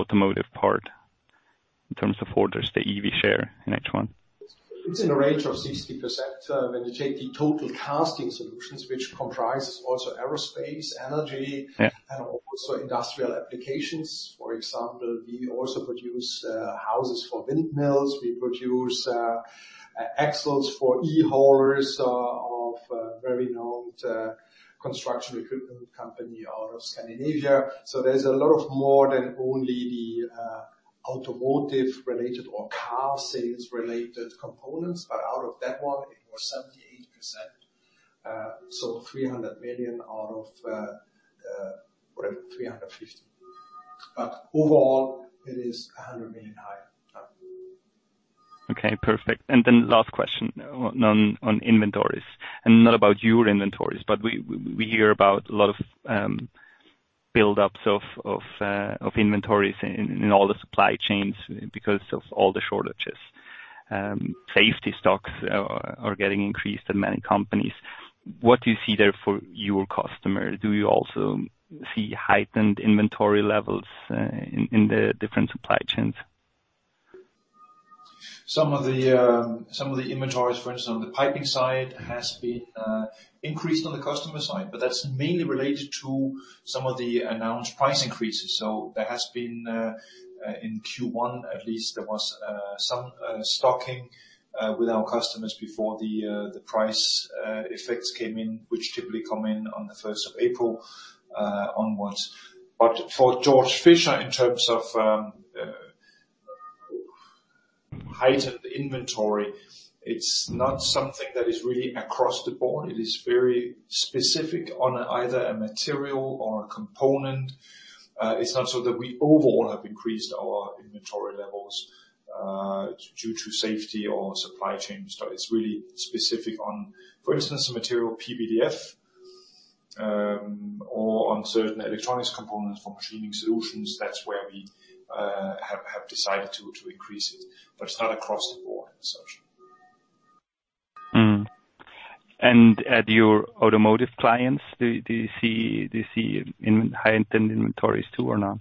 automotive part in terms of orders, the EV share in H1? It's in a range of 60%, when you take the total Casting Solutions, which comprises also aerospace, energy. Yeah also industrial applications. For example, we also produce houses for windmills. We produce axles for e-haulers of a very known construction equipment company out of Scandinavia. There's a lot more than only the automotive-related or car sales-related components. Out of that one, it was 78%, so 300 million out of whatever, 350 million. Overall, it is 100 million higher. Okay, perfect. Last question on inventories. Not about your inventories, but we hear about a lot of build-ups of inventories in all the supply chains because of all the shortages. Safety stocks are getting increased in many companies. What do you see there for your customer? Do you also see heightened inventory levels in the different supply chains? Some of the inventories, for instance, on the piping side has been increased on the customer side, but that's mainly related to some of the announced price increases. There was some stocking with our customers before the price effects came in, which typically come in on the 1st of April onwards. For Georg Fischer, in terms of heightened inventory, it's not something that is really across the board. It is very specific on either a material or a component. It's not so that we overall have increased our inventory levels due to safety or supply chain. It's really specific on, for instance, the material PVDF, or on certain electronics components for machining solutions. That's where we have decided to increase it. It's not across the board as such. At your automotive clients, do you see heightened inventories too or not?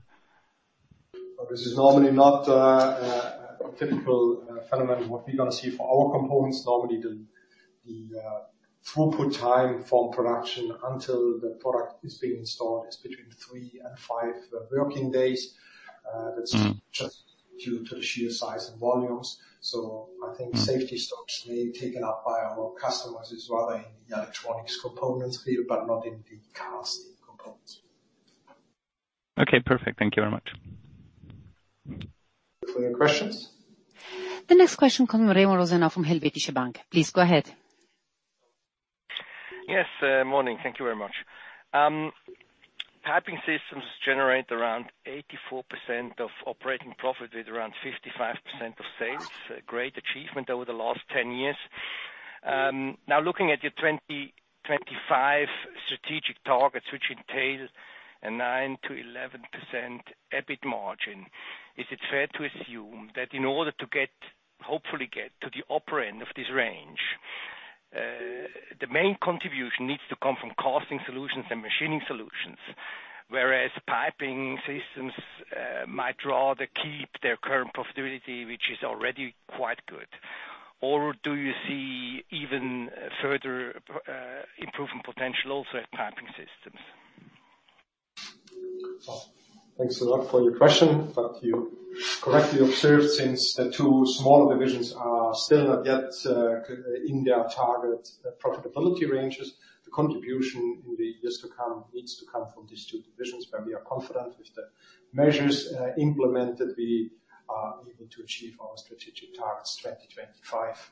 This is normally not a typical phenomenon what we're gonna see for our components. Normally, the throughput time for production until the product is being installed is between three and five working days. Mm-hmm Just due to the sheer size and volumes. I think safety stocks may be taken up by our customers is rather in the electronics components field, but not in the casting components. Okay, perfect. Thank you very much. Further questions? The next question comes from Remo Rossini from Helvetische Bank. Please go ahead. Yes, morning. Thank you very much. Piping Systems generate around 84% of operating profit with around 55% of sales. A great achievement over the last 10 years. Now, looking at your 2025 strategic targets, which entail a 9%-11% EBIT margin, is it fair to assume that in order to get, hopefully get to the upper end of this range, the main contribution needs to come from Casting Solutions and Machining Solutions, whereas Piping Systems might rather keep their current profitability, which is already quite good. Or do you see even further improvement potential also at Piping Systems? Thanks a lot for your question. You correctly observed, since the two smaller divisions are still not yet in their target profitability ranges, the contribution in the years to come needs to come from these two divisions. We are confident with the measures implemented, we are able to achieve our strategic targets 2025.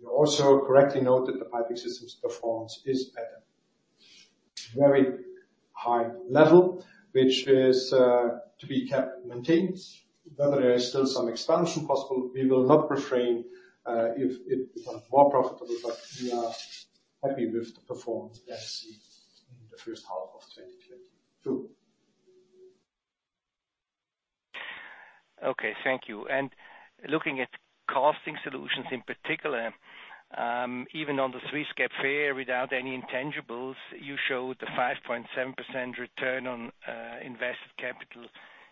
You also correctly note that the piping systems performance is at a very high level, which is to be kept maintained. Whether there is still some expansion possible, we will not refrain if it becomes more profitable, but we are happy with the performance that we see in the first half of 2022. Okay, thank you. Looking at Casting Solutions in particular, even on the three-year fair, without any intangibles, you showed the 5.7% return on invested capital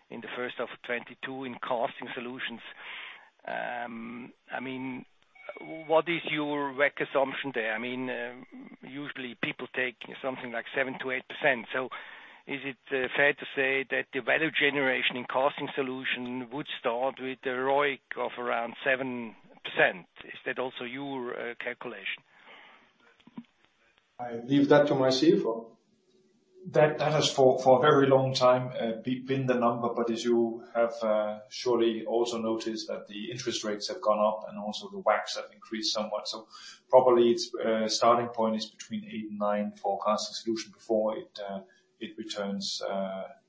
in the first quarter of 2022 in Casting Solutions. I mean, what is your WACC assumption there? I mean, usually people take something like 7%-8%. Is it fair to say that the value generation in Casting Solutions would start with a ROIC of around 7%? Is that also your calculation? I leave that to my CFO. That has for a very long time been the number, but as you have surely also noticed that the interest rates have gone up and also the WACC has increased somewhat. Probably its starting point is between eight and nine for Casting Solutions before it returns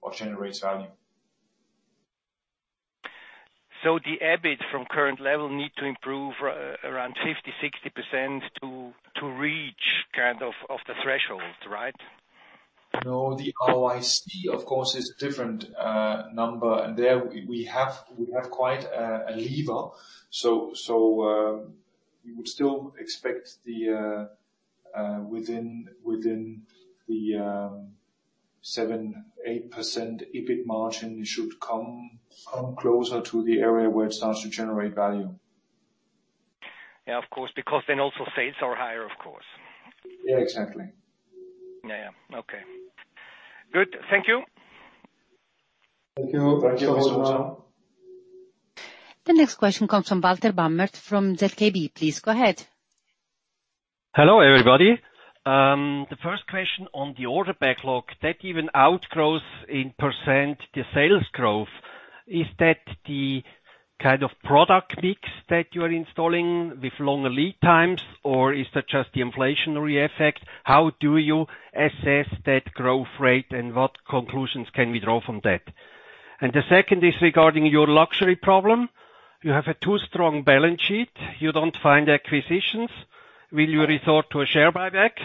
or generates value. The EBIT from current level need to improve around 50%-60% to reach kind of the threshold, right? No, the ROIC, of course, is different number. There we have quite a lever. We would still expect the within the 7%-8% EBIT margin should come closer to the area where it starts to generate value. Yeah, of course, because then also sales are higher, of course. Yeah, exactly. Yeah, yeah. Okay. Good. Thank you. Thank you. Thank you very much. The next question comes from Walter Bamert from ZKB. Please go ahead. Hello, everybody. The first question on the order backlog that even outgrows in percent the sales growth. Is that the kind of product mix that you are installing with longer lead times, or is that just the inflationary effect? How do you assess that growth rate, and what conclusions can we draw from that? The second is regarding your luxury problem. You have a too strong balance sheet. You don't find acquisitions. Will you resort to a share buyback?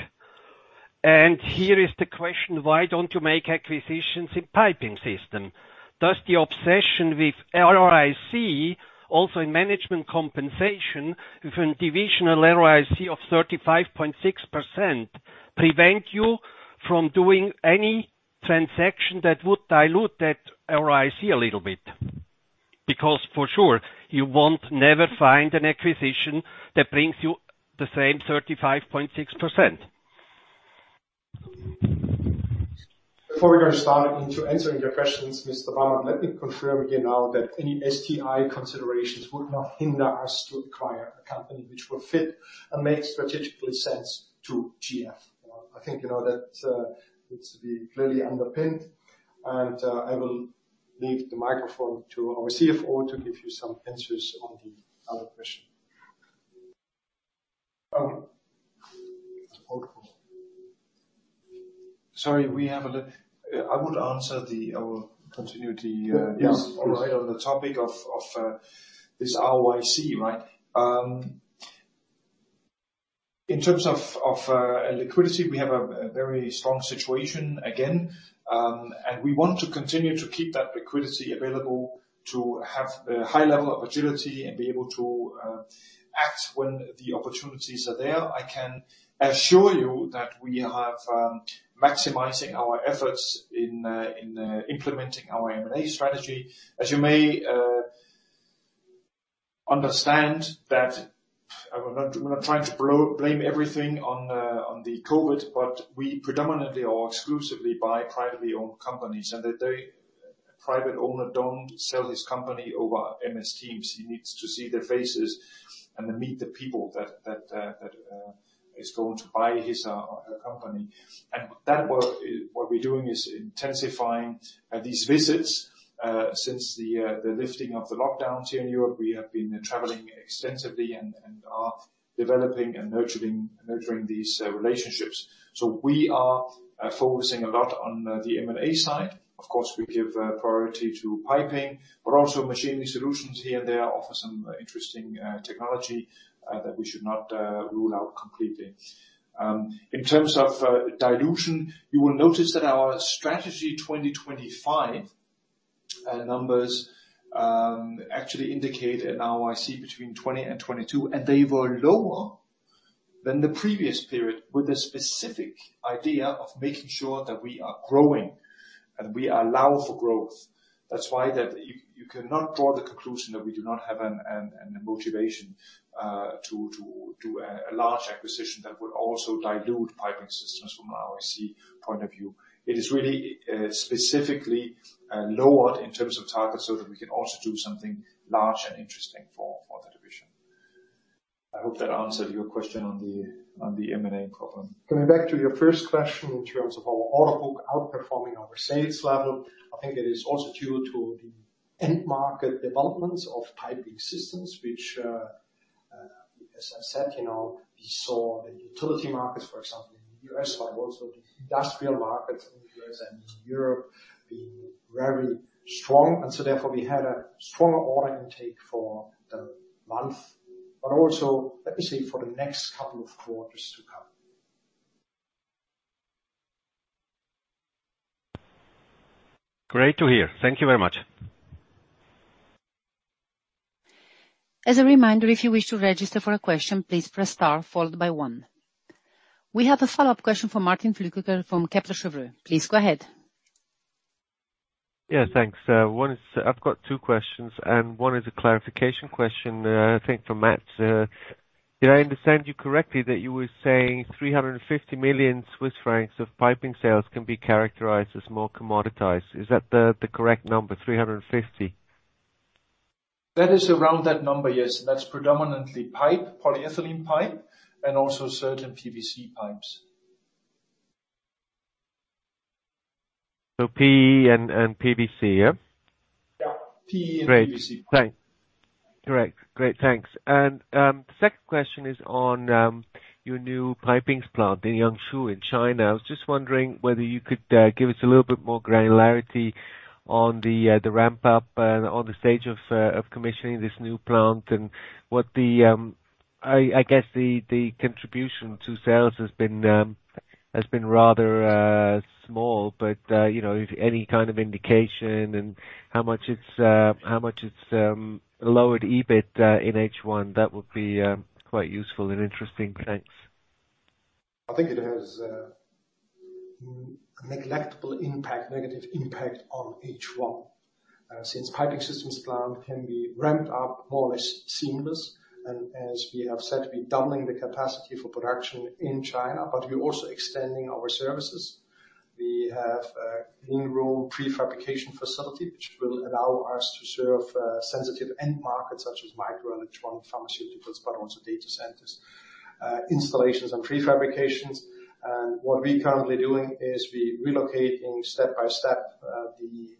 Here is the question: Why don't you make acquisitions in Piping Systems? Does the obsession with ROIC, also in management compensation with a divisional ROIC of 35.6%, prevent you from doing any transaction that would dilute that ROIC a little bit? Because for sure, you won't never find an acquisition that brings you the same 35.6%. Before we are starting into answering your questions, Mr. Bamert, let me confirm again now that any STI considerations would not hinder us to acquire a company which would fit and make strategic sense to GF. You know, I think, you know, that needs to be clearly underpinned, and I will leave the microphone to our CFO to give you some answers on the other question. Sorry, I will continue. Yes, please. On the topic of this ROIC, right? In terms of liquidity, we have a very strong situation again, and we want to continue to keep that liquidity available to have a high level of agility and be able to act when the opportunities are there. I can assure you that we have maximizing our efforts in implementing our M&A strategy. As you may understand that I'm not trying to blame everything on the COVID, but we predominantly or exclusively buy privately owned companies and that the private owner don't sell his company over Microsoft Teams. He needs to see their faces and meet the people that is going to buy his or her company. What we're doing is intensifying these visits. Since the lifting of the lockdowns here in Europe, we have been traveling extensively and are developing and nurturing these relationships. We are focusing a lot on the M&A side. Of course, we give priority to piping, but also machining solutions here and there offer some interesting technology that we should not rule out completely. In terms of dilution, you will notice that our Strategy 2025 numbers actually indicate an ROIC between 20% and 22%, and they were lower than the previous period, with the specific idea of making sure that we are growing and we allow for growth. That's why that you cannot draw the conclusion that we do not have a motivation to a large acquisition that would also dilute piping systems from an ROIC point of view. It is really, specifically, lowered in terms of targets so that we can also do something large and interesting for the division. I hope that answered your question on the M&A problem. Coming back to your first question in terms of our order book outperforming our sales level, I think it is also due to the end market developments of piping systems, which, as I said, you know, we saw the utility markets, for example, in the U.S., but also the industrial markets in U.S. and in Europe being very strong. Therefore, we had a strong order intake for the month, but also let me say for the next couple of quarters to come. Great to hear. Thank you very much. As a reminder, if you wish to register for a question, please press star followed by one. We have a follow-up question from Martin Flückiger from Kepler Cheuvreux. Please go ahead. Yeah, thanks. One is, I've got two questions, and one is a clarification question, I think for Mads. Did I understand you correctly that you were saying 350 million Swiss francs of piping sales can be characterized as more commoditized? Is that the correct number, 350 million? That is around that number, yes. That's predominantly pipe, polyethylene pipe, and also certain PVC pipes. PE and PVC, yeah? Yeah. PE and PVC. Great. Thanks. Correct. Great. Thanks. The second question is on your new piping plant in Yangzhou in China. I was just wondering whether you could give us a little bit more granularity on the ramp up and on the stage of commissioning this new plant and what, I guess, the contribution to sales has been rather small, but you know, if any kind of indication and how much it's lowered EBIT in H1, that would be quite useful and interesting. Thanks. I think it has negligible impact, negative impact on H1. Since piping systems plant can be ramped up more or less seamlessly, and as we have said, we're doubling the capacity for production in China, but we're also extending our services. We have a clean room prefabrication facility which will allow us to serve sensitive end markets such as microelectronic pharmaceuticals, but also data centers, installations and prefabrications. What we're currently doing is we're relocating step-by-step the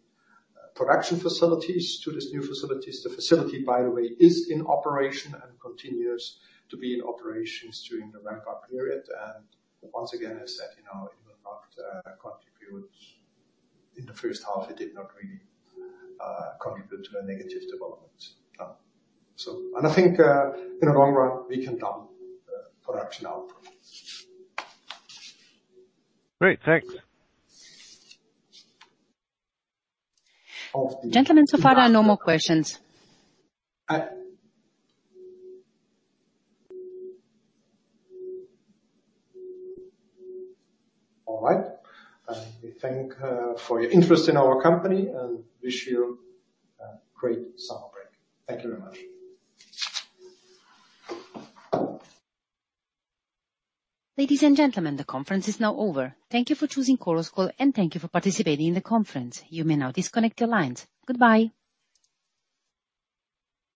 production facilities to these new facilities. The facility, by the way, is in operation and continues to be in operation during the ramp-up period. Once again, as said, you know, it will not contribute. In the first half, it did not really contribute to a negative development. I think in the long run, we can double the production output. Great. Thanks. Gentlemen, so far there are no more questions. All right. We thank you for your interest in our company and wish you a great summer break. Thank you very much. Ladies and gentlemen, the conference is now over. Thank you for choosing Chorus Call, and thank you for participating in the conference. You may now disconnect your lines. Goodbye.